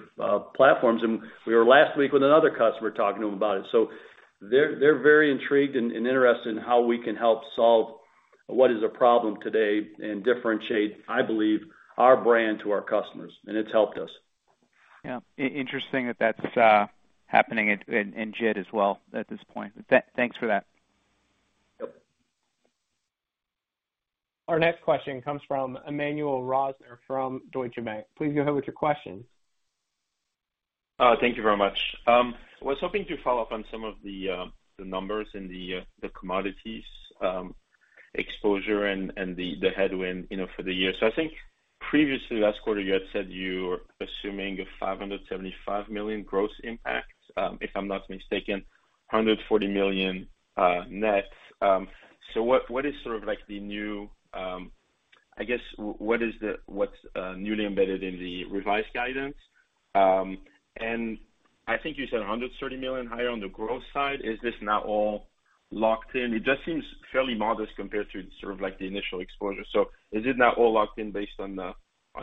platforms. We were last week with another customer talking to them about it. They're very intrigued and interested in how we can help solve what is a problem today and differentiate, I believe, our brand to our customers, and it's helped us. Yeah. Interesting that that's happening in JIT as well at this point. Thanks for that. Yep. Our next question comes from Emmanuel Rosner from Deutsche Bank. Please go ahead with your question. Thank you very much. Was hoping to follow up on some of the numbers in the commodities exposure and the headwind for the year. I think previously last quarter, you had said you were assuming a $575 million gross impact, if I'm not mistaken, $140 million net. What is sort of like the new, I guess, what's newly embedded in the revised guidance? I think you said a $130 million higher on the growth side. Is this now all locked in? It just seems fairly modest compared to sort of like the initial exposure. Is it now all locked in based on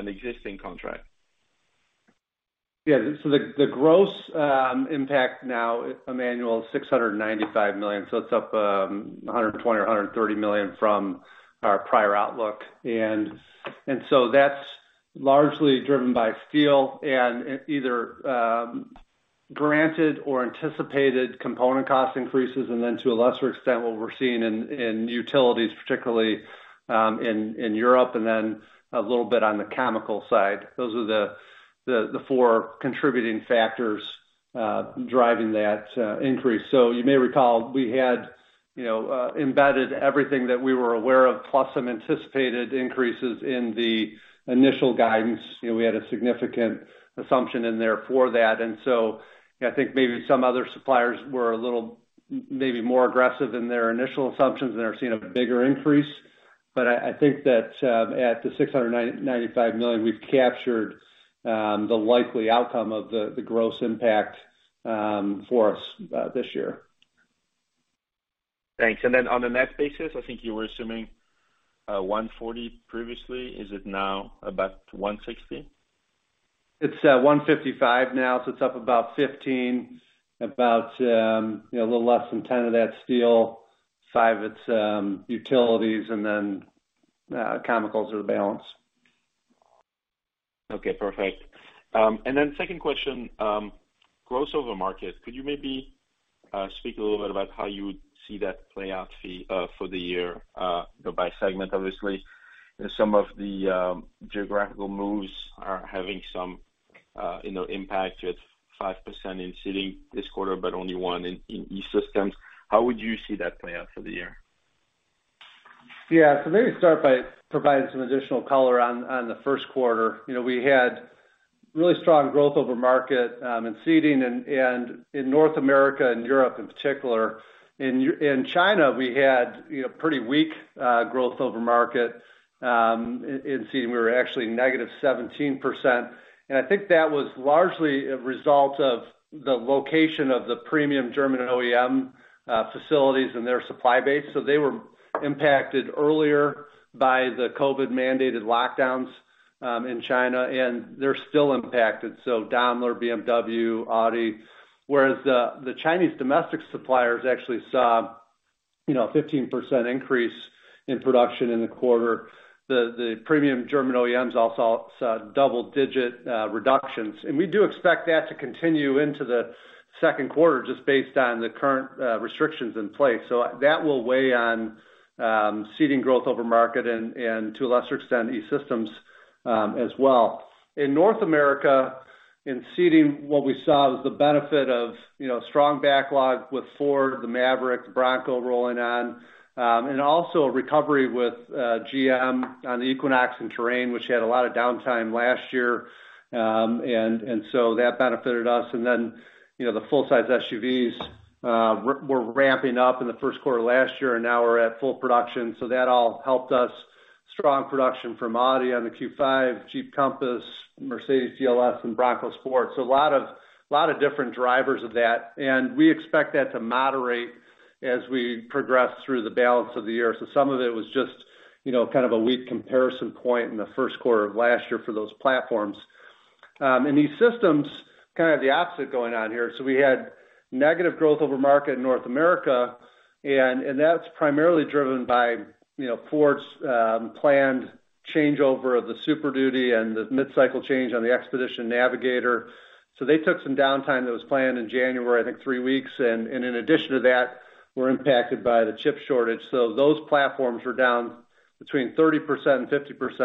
existing contract? Yeah. The gross impact now, Emmanuel, is $695 million, so it's up $120 million or $130 million from our prior outlook. That's largely driven by steel and other granted or anticipated component cost increases, and then to a lesser extent, what we're seeing in utilities, particularly in Europe, and then a little bit on the chemical side. Those are the four contributing factors driving that increase. You may recall, we had embedded everything that we were aware of, plus some anticipated increases in the initial guidance. We had a significant assumption in there for that. I think maybe some other suppliers were a little more aggressive in their initial assumptions, and they're seeing a bigger increase. I think that at the $695 million, we've captured the likely outcome of the gross impact for us this year. Thanks. On the net basis, I think you were assuming 1.40 previously. Is it now about 1.60? It's 155 now, so it's up about 15, you know, a little less than 10 of that steel, 5, it's utilities, and then chemicals are the balance. Okay. Perfect. Second question, growth over market. Could you maybe speak a little bit about how you see that play out for the year, by segment, obviously? Some of the geographical moves are having some impact with 5% in Seating this quarter, but only 1% in E-Systems. How would you see that play out for the year? Yeah. Maybe start by providing some additional color on the first quarter. We had really strong growth over market in Seating and in North America and Europe in particular. In China, we had pretty weak growth over market in Seating. We were actually -17%. I think that was largely a result of the location of the premium German OEM facilities and their supply base. They were impacted earlier by the COVID-mandated lockdowns in China, and they're still impacted, so Daimler, BMW, Audi. Whereas the Chinese domestic suppliers actually saw you know, a 15% increase in production in the quarter. The premium German OEMs all saw double-digit reductions. We do expect that to continue into the second quarter just based on the current restrictions in place. That will weigh on Seating growth over market and to a lesser extent, E-Systems, as well. In North America, in Seating, what we saw was the benefit of strong backlog with Ford, the Maverick, the Bronco rolling on, and also a recovery with GM on the Equinox and Terrain, which had a lot of downtime last year. That benefited us. The full-size SUVs were ramping up in the first quarter last year, and now we're at full production. That all helped us. Strong production from Audi on the Q5, Jeep Compass, Mercedes-Benz GLS, and Bronco Sport. A lot of different drivers of that, and we expect that to moderate as we progress through the balance of the year. Some of it was just kind of a weak comparison point in the first quarter of last year for those platforms. In these systems, kind of the opposite going on here. We had negative growth over market in North America, and that's primarily driven by Ford's planned changeover of the Super Duty and the mid-cycle change on the Expedition and Navigator. They took some downtime that was planned in January, I think three weeks, and in addition to that, we're impacted by the chip shortage. Those platforms were down 30%-50%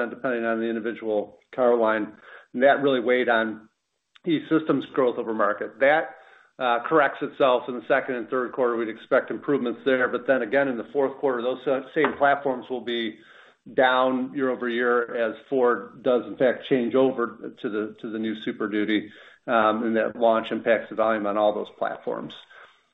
depending on the individual car line. That really weighed on E-Systems growth over market. That corrects itself in the second and third quarter. We'd expect improvements there. In the fourth quarter, those same platforms will be down year-over-year as Ford does in fact change over to the new Super Duty, and that launch impacts the volume on all those platforms.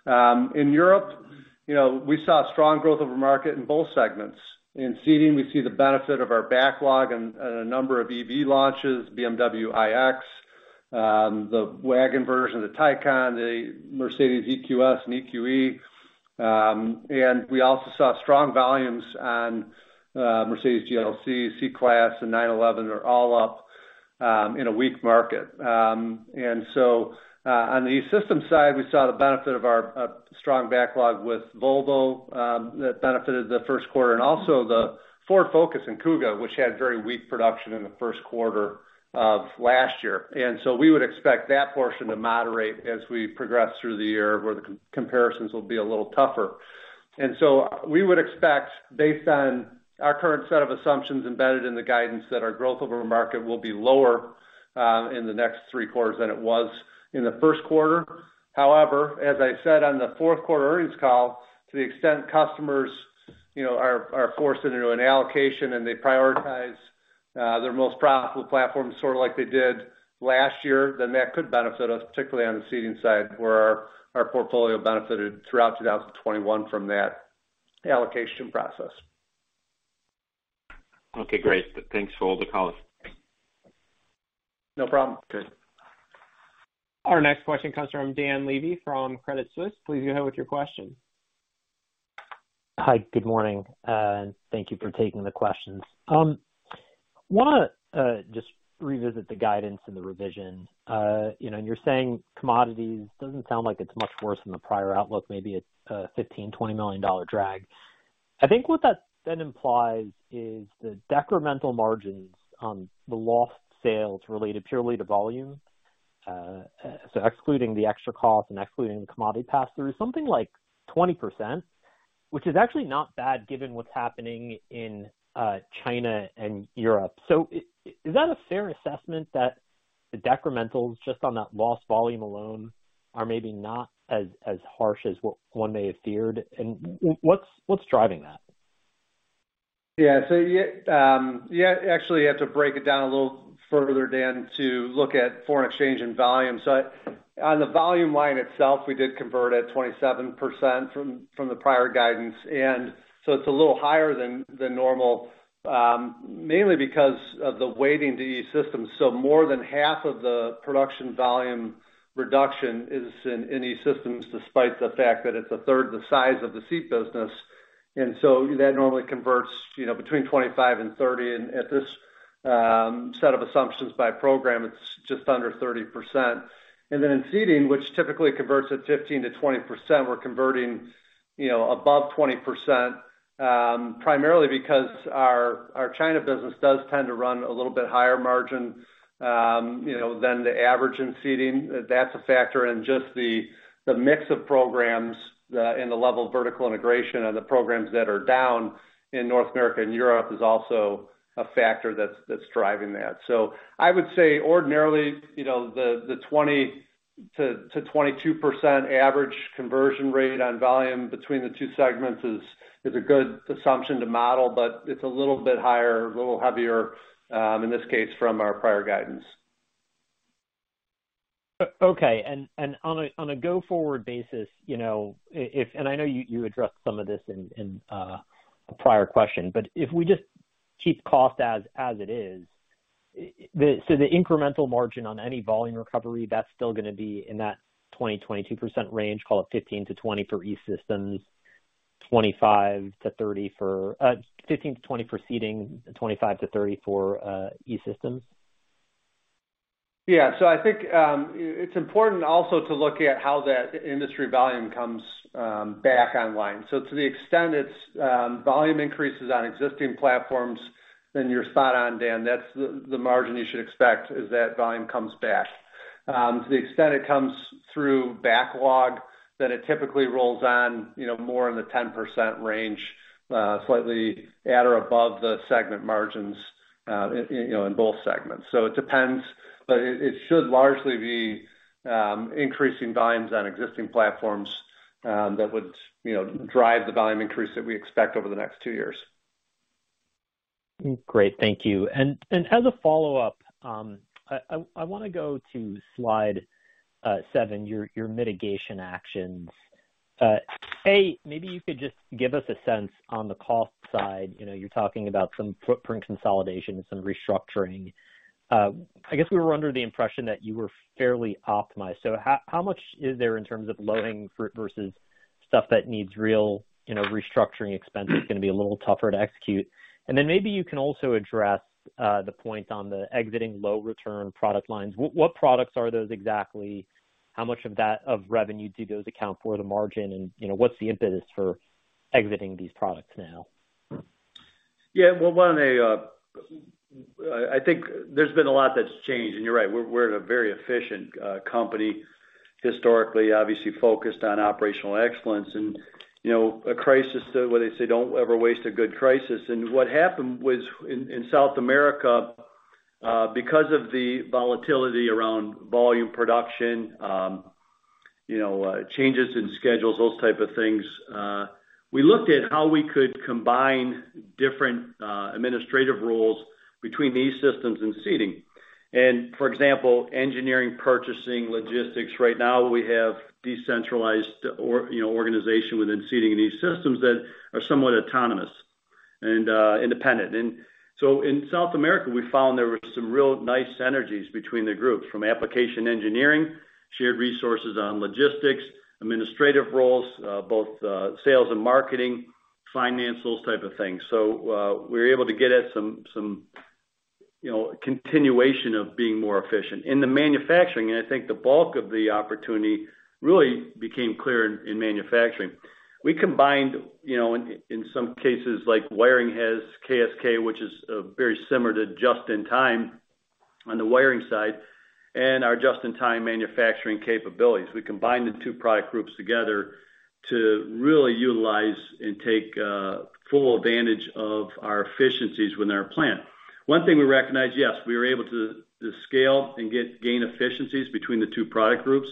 In Europe, we saw strong growth over market in both segments. In Seating, we see the benefit of our backlog and a number of EV launches, BMW iX, the wagon version of the Taycan, the Mercedes-Benz EQS, and EQE. And we also saw strong volumes on Mercedes-Benz GLC, C-Class, and 911 are all up in a weak market. On the E-Systems side, we saw the benefit of our strong backlog with Volvo that benefited the first quarter and also the Ford Focus and Kuga, which had very weak production in the first quarter of last year. We would expect that portion to moderate as we progress through the year, where the comparisons will be a little tougher. We would expect based on our current set of assumptions embedded in the guidance that our growth over market will be lower in the next three quarters than it was in the first quarter. However, as I said on the fourth quarter earnings call, to the extent customers are forced into an allocation and they prioritize their most profitable platforms, sort of like they did last year, then that could benefit us, particularly on the Seating side, where our portfolio benefited throughout 2021 from that allocation process. Okay, great. Thanks for all the color. No problem. Okay. Our next question comes from Dan Levy from Credit Suisse. Please go ahead with your question. Hi, good morning, and thank you for taking the questions. Wanna just revisit the guidance and the revision. You're saying commodities doesn't sound like it's much worse than the prior outlook, maybe a $15 million-$20 million drag. I think what that then implies is the decremental margins on the lost sales related purely to volume. Excluding the extra cost and excluding the commodity pass-through, something like 20%, which is actually not bad given what's happening in China and Europe. Is that a fair assessment that the decremental just on that lost volume alone are maybe not as harsh as what one may have feared? What's driving that? Yeah. Actually, have to break it down a little further, Dan, to look at foreign exchange and volume. On the volume line itself, we did convert at 27% from the prior guidance, and it's a little higher than normal, mainly because of the weighting to E-Systems. More than half of the production volume reduction is in E-Systems, despite the fact that it's a third the size of the seat business, and that normally converts, you know, between 25% and 30%. At this set of assumptions by program, it's just under 30%. Then in Seating, which typically converts at 15%-20%, we're converting, you know, above 20%, primarily because our China business does tend to run a little bit higher margin than the average in Seating. That's a factor. Just the mix of programs and the level of vertical integration of the programs that are down in North America and Europe is also a factor that's driving that. I would say ordinarily, the 20%-22% average conversion rate on volume between the two segments is a good assumption to model, but it's a little bit higher, a little heavier, in this case from our prior guidance. Okay. On a go-forward basis, I know you addressed some of this in a prior question, but if we just keep cost as it is, the incremental margin on any volume recovery, that's still gonna be in that 22% range, call it 15%-20% for E-Systems, 25%-30% for, 15%-20% for Seating, 25%-30% for, E-Systems? Yeah. I think it's important also to look at how that industry volume comes back online. To the extent it's volume increases on existing platforms, then you're spot on, Dan. That's the margin you should expect as that volume comes back. To the extent it comes through backlog, then it typically rolls on more in the 10% range, slightly at or above the segment margins in both segments. It depends, but it should largely be increasing volumes on existing platforms that would drive the volume increase that we expect over the next two years. Great. Thank you. As a follow-up, I wanna go to slide seven, your mitigation actions. Maybe you could just give us a sense on the cost side. You're talking about some footprint consolidation and some restructuring. I guess we were under the impression that you were fairly optimized. How much is there in terms of loading versus stuff that needs real restructuring? Expenses gonna be a little tougher to execute? Then maybe you can also address the point on the exiting low return product lines. What products are those exactly? How much of that revenue do those account for the margin? What's the impetus for exiting these products now? Yeah. Well, I think there's been a lot that's changed. You're right, we're a very efficient company, historically, obviously focused on operational excellence and a crisis where they say, "Don't ever waste a good crisis." What happened was in South America, because of the volatility around volume production, changes in schedules, those type of things, we looked at how we could combine different administrative roles between E-Systems and Seating. For example, engineering, purchasing, logistics. Right now, we have decentralized organization within Seating and E-Systems that are somewhat autonomous and independent. In South America, we found there were some real nice synergies between the groups from application engineering, shared resources on logistics, administrative roles, both sales and marketing, finance, those type of things. We're able to get at some continuation of being more efficient. In the manufacturing, I think the bulk of the opportunity really became clear in manufacturing. We combined in some cases, like wiring has KSK, which is very similar to just in time on the wiring side and our just-in-time manufacturing capabilities. We combined the two product groups together to really utilize and take full advantage of our efficiencies within our plant. One thing we recognized, yes, we were able to scale and get gain efficiencies between the two product groups,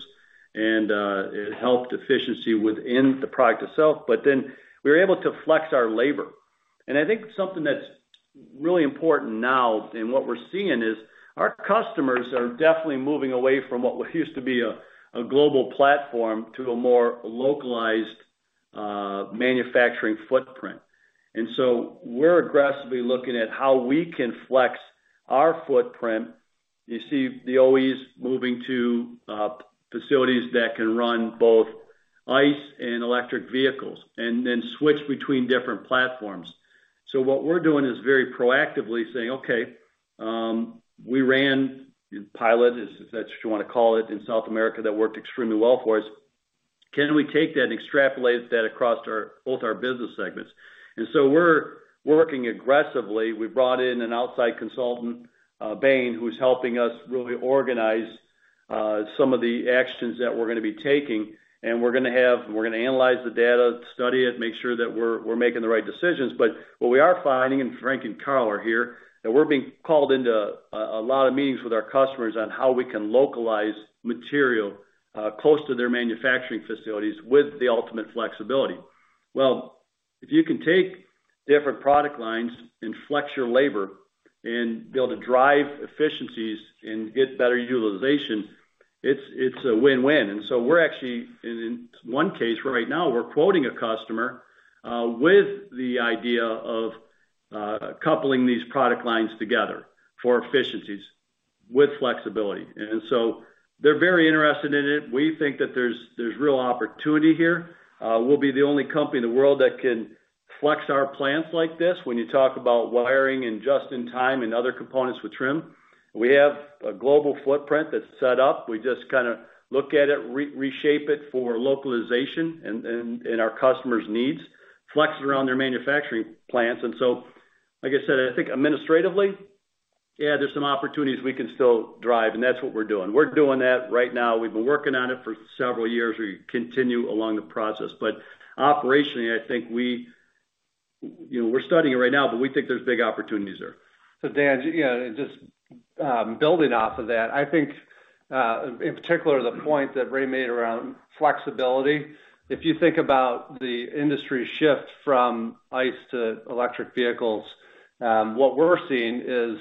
and it helped efficiency within the product itself. We were able to flex our labor. I think something that's really important now, and what we're seeing is our customers are definitely moving away from what used to be a global platform to a more localized manufacturing footprint. We're aggressively looking at how we can flex our footprint. You see the OEMs moving to facilities that can run both ICE and electric vehicles and then switch between different platforms. What we're doing is very proactively saying, okay, we ran pilot, if that's what you wanna call it, in South America, that worked extremely well for us. Can we take that and extrapolate that across our both our business segments? We're working aggressively. We brought in an outside consultant, Bain, who's helping us really organize some of the actions that we're gonna be taking. We're going to analyze the data, study it, make sure that we're making the right decisions. What we are finding, and Frank and Carl are here, is that we're being called into a lot of meetings with our customers on how we can localize material close to their manufacturing facilities with the ultimate flexibility. Well, if you can take different product lines and flex your labor and be able to drive efficiencies and get better utilization, it's a win-win. We're actually in one case right now, we're quoting a customer with the idea of coupling these product lines together for efficiencies with flexibility. They're very interested in it. We think that there's real opportunity here. We'll be the only company in the world that can flex our plants like this when you talk about wiring and just in time and other components with trim. We have a global footprint that's set up. We just kinda look at it, re-reshape it for localization and our customers' needs, flex it around their manufacturing plants. Like I said, I think administratively, yeah, there's some opportunities we can still drive, and that's what we're doing. We're doing that right now. We've been working on it for several years. We continue along the process. Operationally, I think we're studying it right now, but we think there's big opportunities there. Dan, just building off of that, I think, in particular the point that Ray made around flexibility, if you think about the industry shift from ICE to electric vehicles, what we're seeing is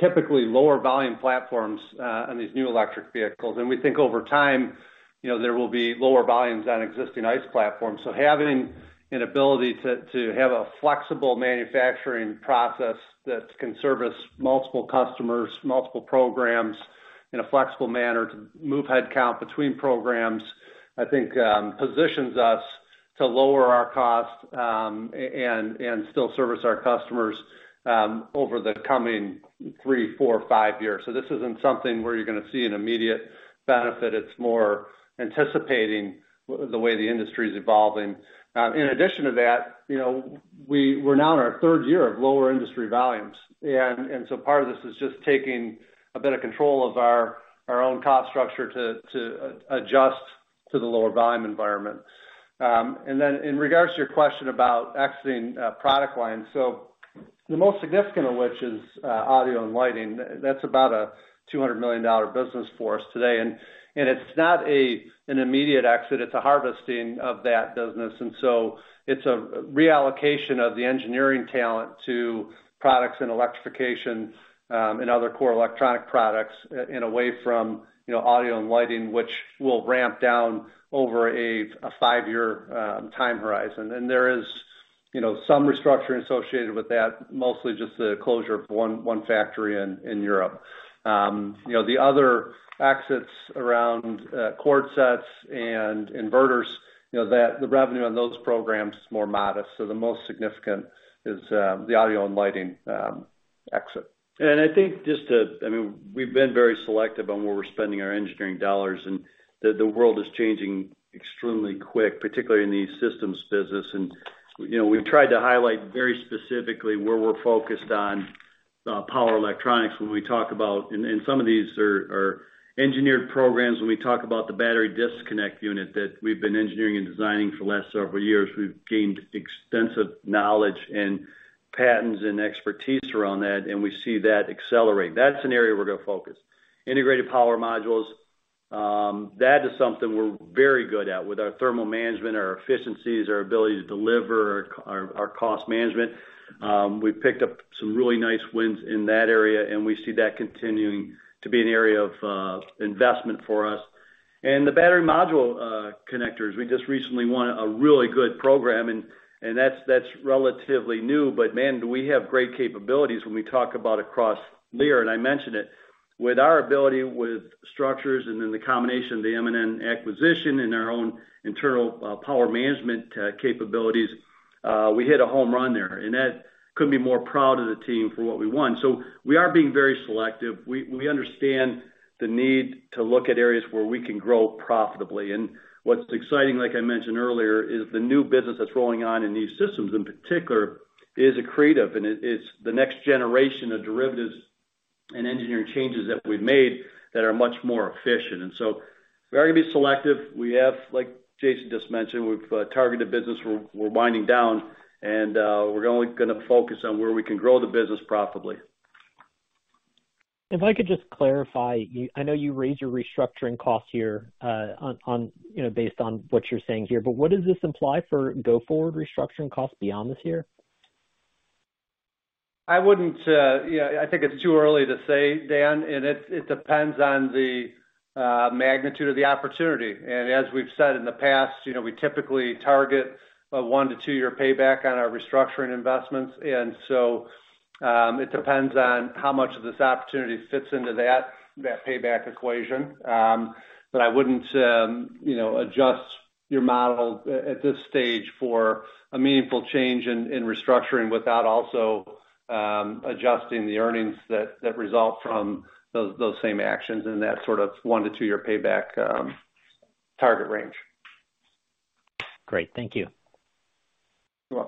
typically lower volume platforms on these new electric vehicles. We think over time, there will be lower volumes on existing ICE platforms. Having an ability to have a flexible manufacturing process that can service multiple customers, multiple programs in a flexible manner to move headcount between programs, I think positions us to lower our costs and still service our customers over the coming three, four, five years. This isn't something where you're gonna see an immediate benefit. It's more anticipating the way the industry is evolving. In addition to that, we're now in our third year of lower industry volumes. So part of this is just taking a bit of control of our own cost structure to adjust to the lower volume environment. Then in regards to your question about exiting product lines, the most significant of which is audio and lighting, that's about a $200 million business for us today. It's not an immediate exit, it's a harvesting of that business. It's a reallocation of the engineering talent to products and electrification and other core electronic products and away from audio and lighting, which will ramp down over a five-year time horizon. There is some restructuring associated with that, mostly just the closure of one factory in Europe. The other exits around cord sets and inverters, that the revenue on those programs is more modest. The most significant is the audio and lighting exit. I think just to, I mean, we've been very selective on where we're spending our engineering dollars, and the world is changing extremely quick, particularly in the systems business. We've tried to highlight very specifically where we're focused on power electronics when we talk about and some of these are engineered programs when we talk about the battery disconnect unit that we've been engineering and designing for the last several years. We've gained extensive knowledge and patents and expertise around that, and we see that accelerate. That's an area we're gonna focus. Integrated power modules, that is something we're very good at with our thermal management, our efficiencies, our ability to deliver, our cost management. We've picked up some really nice wins in that area, and we see that continuing to be an area of investment for us. The battery module connectors, we just recently won a really good program and that's relatively new, but man, do we have great capabilities when we talk about across Lear, and I mentioned it. With our ability with structures and then the combination of the M&N acquisition and our own internal power management capabilities, we hit a home run there. That couldn't be more proud of the team for what we won. We are being very selective. We understand the need to look at areas where we can grow profitably. What's exciting, like I mentioned earlier, is the new business that's rolling on in these systems, in particular, is accretive, and it's the next generation of derivatives and engineering changes that we've made that are much more efficient. We are gonna be selective. We have, like Jason just mentioned, we've targeted business we're winding down and we're only gonna focus on where we can grow the business profitably. If I could just clarify, you, I know you raised your restructuring cost here, on based on what you're saying here, but what does this imply for go forward restructuring costs beyond this year? I wouldn't, I think it's too early to say, Dan, and it depends on the magnitude of the opportunity. As we've said in the past, we typically target a one to two year payback on our restructuring investments. It depends on how much of this opportunity fits into that payback equation. But I wouldn't adjust your model at this stage for a meaningful change in restructuring without also adjusting the earnings that result from those same actions in that sort of one to two year payback target range. Great. Thank you. You're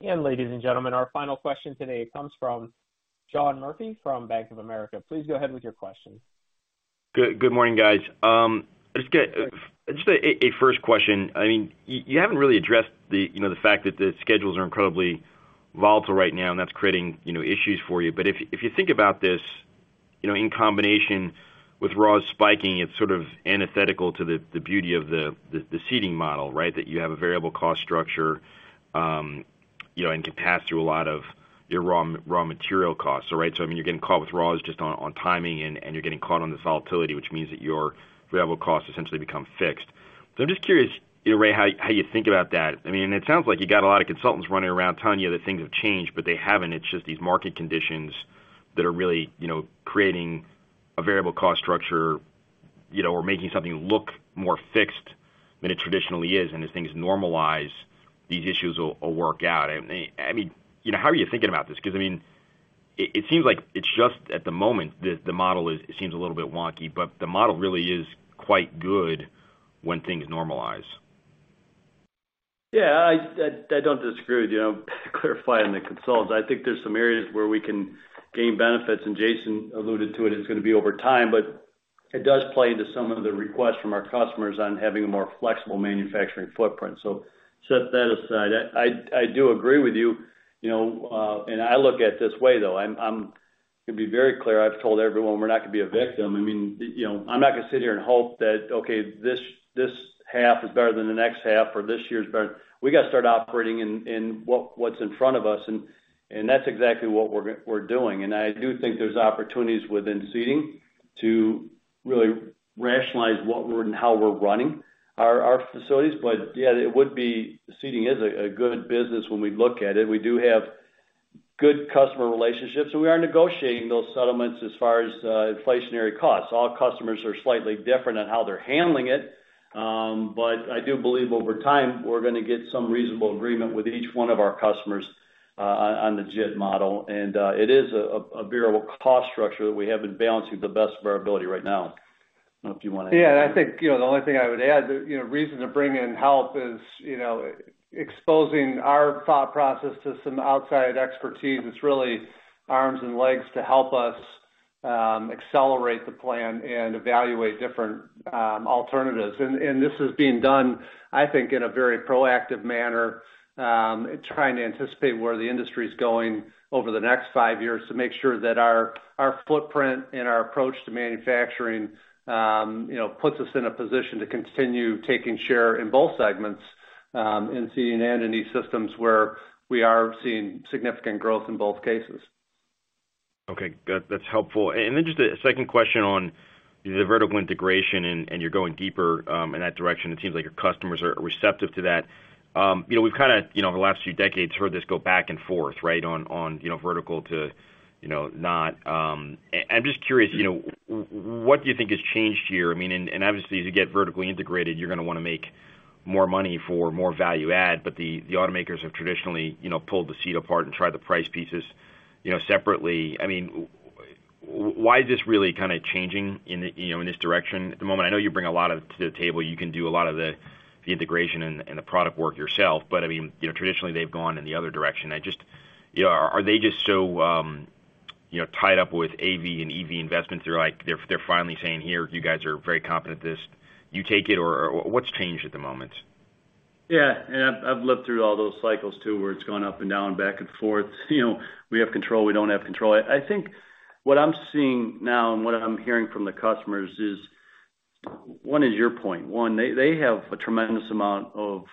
welcome. Ladies and gentlemen, our final question today comes from John Murphy from Bank of America. Please go ahead with your question. Good morning, guys. Just a first question. I mean, you haven't really addressed the fact that the schedules are incredibly volatile right now, and that's creating issues for you. If you think about this in combination with raws spiking, it's sort of antithetical to the beauty of the Seating model, right? That you have a variable cost structure, and can pass through a lot of your raw material costs. Right? So, I mean, you're getting caught with raws just on timing, and you're getting caught on this volatility, which means that your variable costs essentially become fixed. I'm just curious, Ray, how you think about that. I mean, it sounds like you got a lot of consultants running around telling you that things have changed, but they haven't. It's just these market conditions that are really creating a variable cost structure or making something look more fixed than it traditionally is. As things normalize, these issues will work out. I mean, how are you thinking about this? Because, I mean, it seems like it's just at the moment the model is, it seems a little bit wonky, but the model really is quite good when things normalize. Yeah. I don't disagree with you. I'll clarify on the cost. I think there's some areas where we can gain benefits, and Jason alluded to it. It's gonna be over time, but it does play into some of the requests from our customers on having a more flexible manufacturing footprint. Set that aside. I do agree with you know, and I look at it this way, though. I'm gonna be very clear. I've told everyone we're not gonna be a victim. I mean, I'm not gonna sit here and hope that, okay, this half is better than the next half or this year is better. We gotta start operating in what's in front of us, and that's exactly what we're doing. I do think there's opportunities within Seating to really rationalize what we are and how we're running our facilities. Yeah, it would be. Seating is a good business when we look at it. We do have good customer relationships, so we are negotiating those settlements as far as inflationary costs. All customers are slightly different on how they're handling it, but I do believe over time, we're gonna get some reasonable agreement with each one of our customers on the JIT model. It is a variable cost structure that we have in balancing to the best of our ability right now. I don't know if you wanna add anything. Yeah. I think, the only thing I would add, the reason to bring in help is exposing our thought process to some outside expertise. It's really arms and legs to help us accelerate the plan and evaluate different alternatives. This is being done, I think, in a very proactive manner, trying to anticipate where the industry is going over the next five years to make sure that our footprint and our approach to manufacturing puts us in a position to continue taking share in both segments in seating and in these systems where we are seeing significant growth in both cases. Okay. Good. That's helpful. Just a second question on the vertical integration, and you're going deeper in that direction. It seems like your customers are receptive to that. We've kinda over the last few decades, heard this go back and forth, right? On vertical to not. And I'm just curious, what do you think has changed here? I mean, and obviously, as you get vertically integrated, you're gonna wanna make more money for more value add, but the automakers have traditionally pulled the seat apart and tried to price pieces separately. I mean, why is this really kind of changing in this direction at the moment? I know you bring a lot to the table, you can do a lot of the integration and the product work yourself. I mean, traditionally they've gone in the other direction. I just, are they just so tied up with AV and EV investments, they're like, they're finally saying, "Here, you guys are very competent at this. You take it." Or what's changed at the moment? Yeah. I've lived through all those cycles too, where it's gone up and down, back and forth. We have control, we don't have control. I think what I'm seeing now and what I'm hearing from the customers is, one is your point. One, they have a tremendous amount of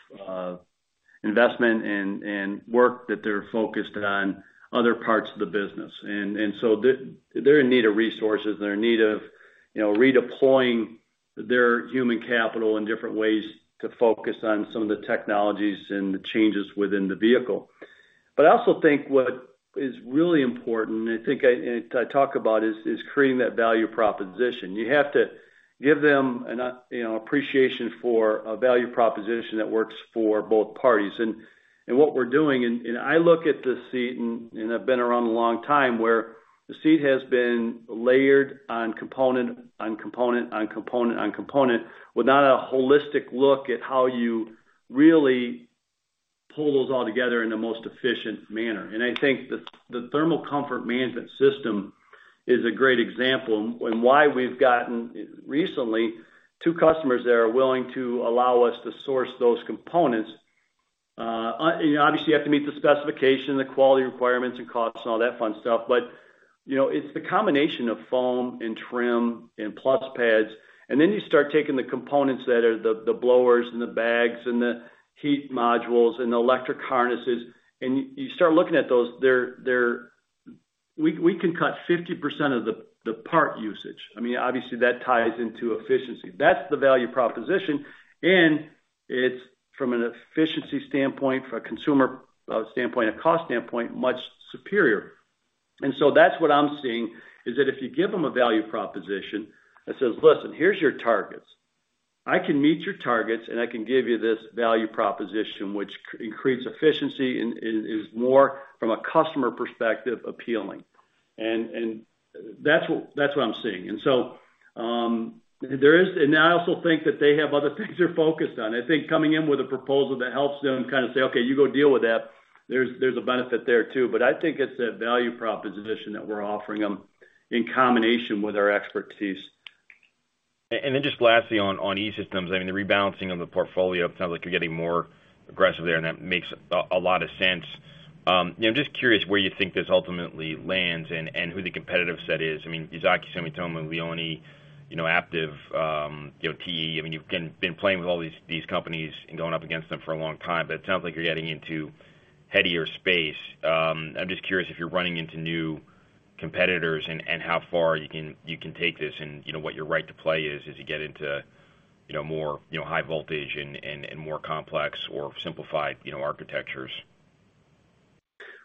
investment and work that they're focused on other parts of the business. They're in need of resources. They're in need of redeploying their human capital in different ways to focus on some of the technologies and the changes within the vehicle. But I also think what is really important, and I think I talk about, is creating that value proposition. You have to give them appreciation for a value proposition that works for both parties. What we're doing. I look at the seat, and I've been around a long time, where the seat has been layered component on component with not a holistic look at how you really pull those all together in the most efficient manner. I think the thermal comfort management system is a great example and why we've gotten recently two customers that are willing to allow us to source those components. Obviously, you have to meet the specification, the quality requirements, and costs, and all that fun stuff. It's the combination of foam, and trim, and plush pads. Then you start taking the components that are the blowers, and the bags, and the heat modules, and the electric harnesses, and you start looking at those. We can cut 50% of the part usage. I mean, obviously, that ties into efficiency. That's the value proposition. It's from an efficiency standpoint, from a consumer standpoint, a cost standpoint, much superior. So that's what I'm seeing, is that if you give them a value proposition that says, "Listen, here's your targets. I can meet your targets, and I can give you this value proposition," which creates efficiency and is more, from a customer perspective, appealing. That's what I'm seeing. I also think that they have other things they're focused on. I think coming in with a proposal that helps them kind of say, "Okay, you go deal with that," there's a benefit there, too. I think it's that value proposition that we're offering them in combination with our expertise. Just lastly on E-Systems, I mean, the rebalancing of the portfolio, it sounds like you're getting more aggressive there, and that makes a lot of sense. I'm just curious where you think this ultimately lands and who the competitive set is. I mean, Yazaki, Sumitomo, Leoni, Aptiv, TE. I mean, you've been playing with all these companies and going up against them for a long time, but it sounds like you're getting into headier space. I'm just curious if you're running into new competitors and how far you can take this and what your right to play is as you get into more high voltage and more complex or simplified architectures.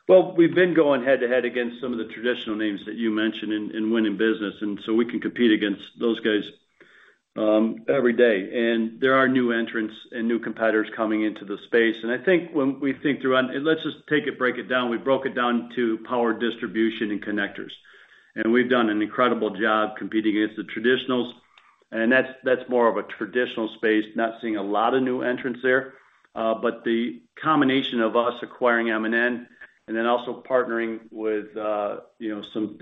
Well, we've been going head to head against some of the traditional names that you mentioned and winning business, and so we can compete against those guys, every day. There are new entrants and new competitors coming into the space. I think when we think through. Let's just take it, break it down. We broke it down to power distribution and connectors. We've done an incredible job competing against the traditionals. That's more of a traditional space, not seeing a lot of new entrants there. But the combination of us acquiring M&N and then also partnering with some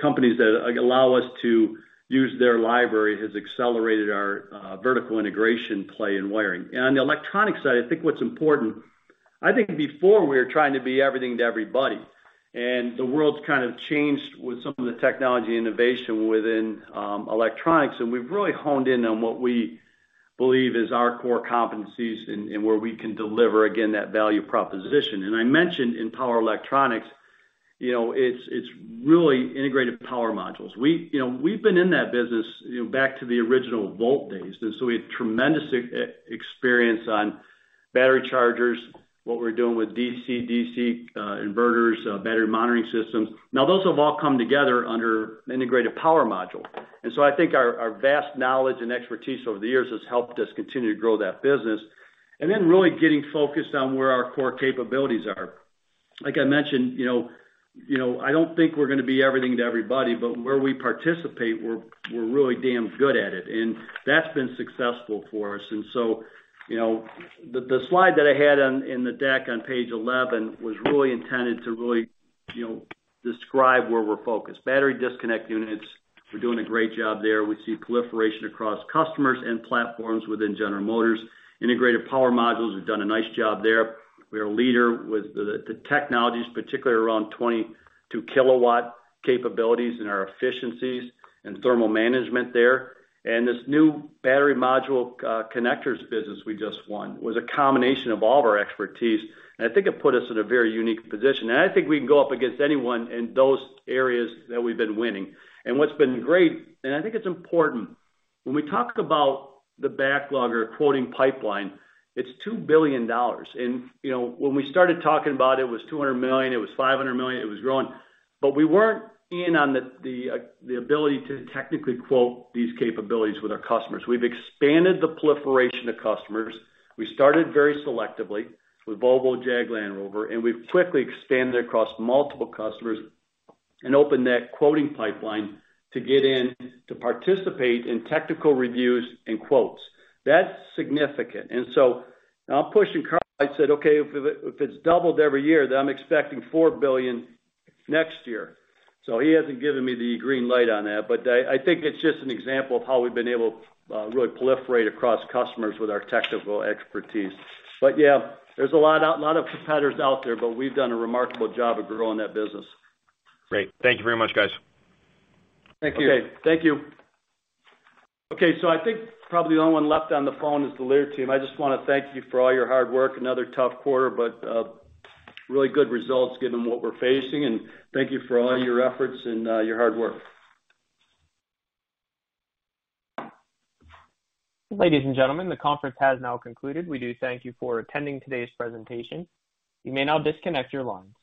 companies that allow us to use their library has accelerated our vertical integration play in wiring. On the electronic side, I think what's important, I think before we were trying to be everything to everybody, and the world's kind of changed with some of the technology innovation within electronics, and we've really honed in on what we believe is our core competencies and where we can deliver, again, that value proposition. I mentioned in power electronics, it's really integrated power modules. We've been in that business back to the original Volt days, and so we have tremendous experience on battery chargers, what we're doing with DC-DC, inverters, battery monitoring systems. Now, those have all come together under integrated power module. I think our vast knowledge and expertise over the years has helped us continue to grow that business. Then really getting focused on where our core capabilities are. Like I mentioned, I don't think we're gonna be everything to everybody, but where we participate, we're really damn good at it. That's been successful for us. The slide that I had on in the deck on page 11 was really intended tomdescribe where we're focused. Battery disconnect units, we're doing a great job there. We see proliferation across customers and platforms within General Motors. Integrated power modules, we've done a nice job there. We're a leader with the technologies, particularly around 22-kW capabilities in our efficiencies and thermal management there. This new battery module connectors business we just won was a combination of all of our expertise, and I think it put us in a very unique position. I think we can go up against anyone in those areas that we've been winning. What's been great, and I think it's important, when we talk about the backlog or quoting pipeline, it's $2 billion. When we started talking about it was $200 million, it was $500 million, it was growing. We weren't in on the ability to technically quote these capabilities with our customers. We've expanded the proliferation to customers. We started very selectively with Volvo, Jaguar Land Rover, and we've quickly expanded across multiple customers and opened that quoting pipeline to get in to participate in technical reviews and quotes. That's significant. I'm pushing Carl. I said, "Okay, if it's doubled every year, then I'm expecting $4 billion next year." He hasn't given me the green light on that, but I think it's just an example of how we've been able to really proliferate across customers with our technical expertise. Yeah, there's a lot of competitors out there, but we've done a remarkable job of growing that business. Great. Thank you very much, guys. Thank you. Okay. I think probably the only one left on the phone is the Lear team. I just wanna thank you for all your hard work. Another tough quarter, but really good results given what we're facing. Thank you for all your efforts and your hard work. Ladies and gentlemen, the conference has now concluded. We do thank you for attending today's presentation. You may now disconnect your lines.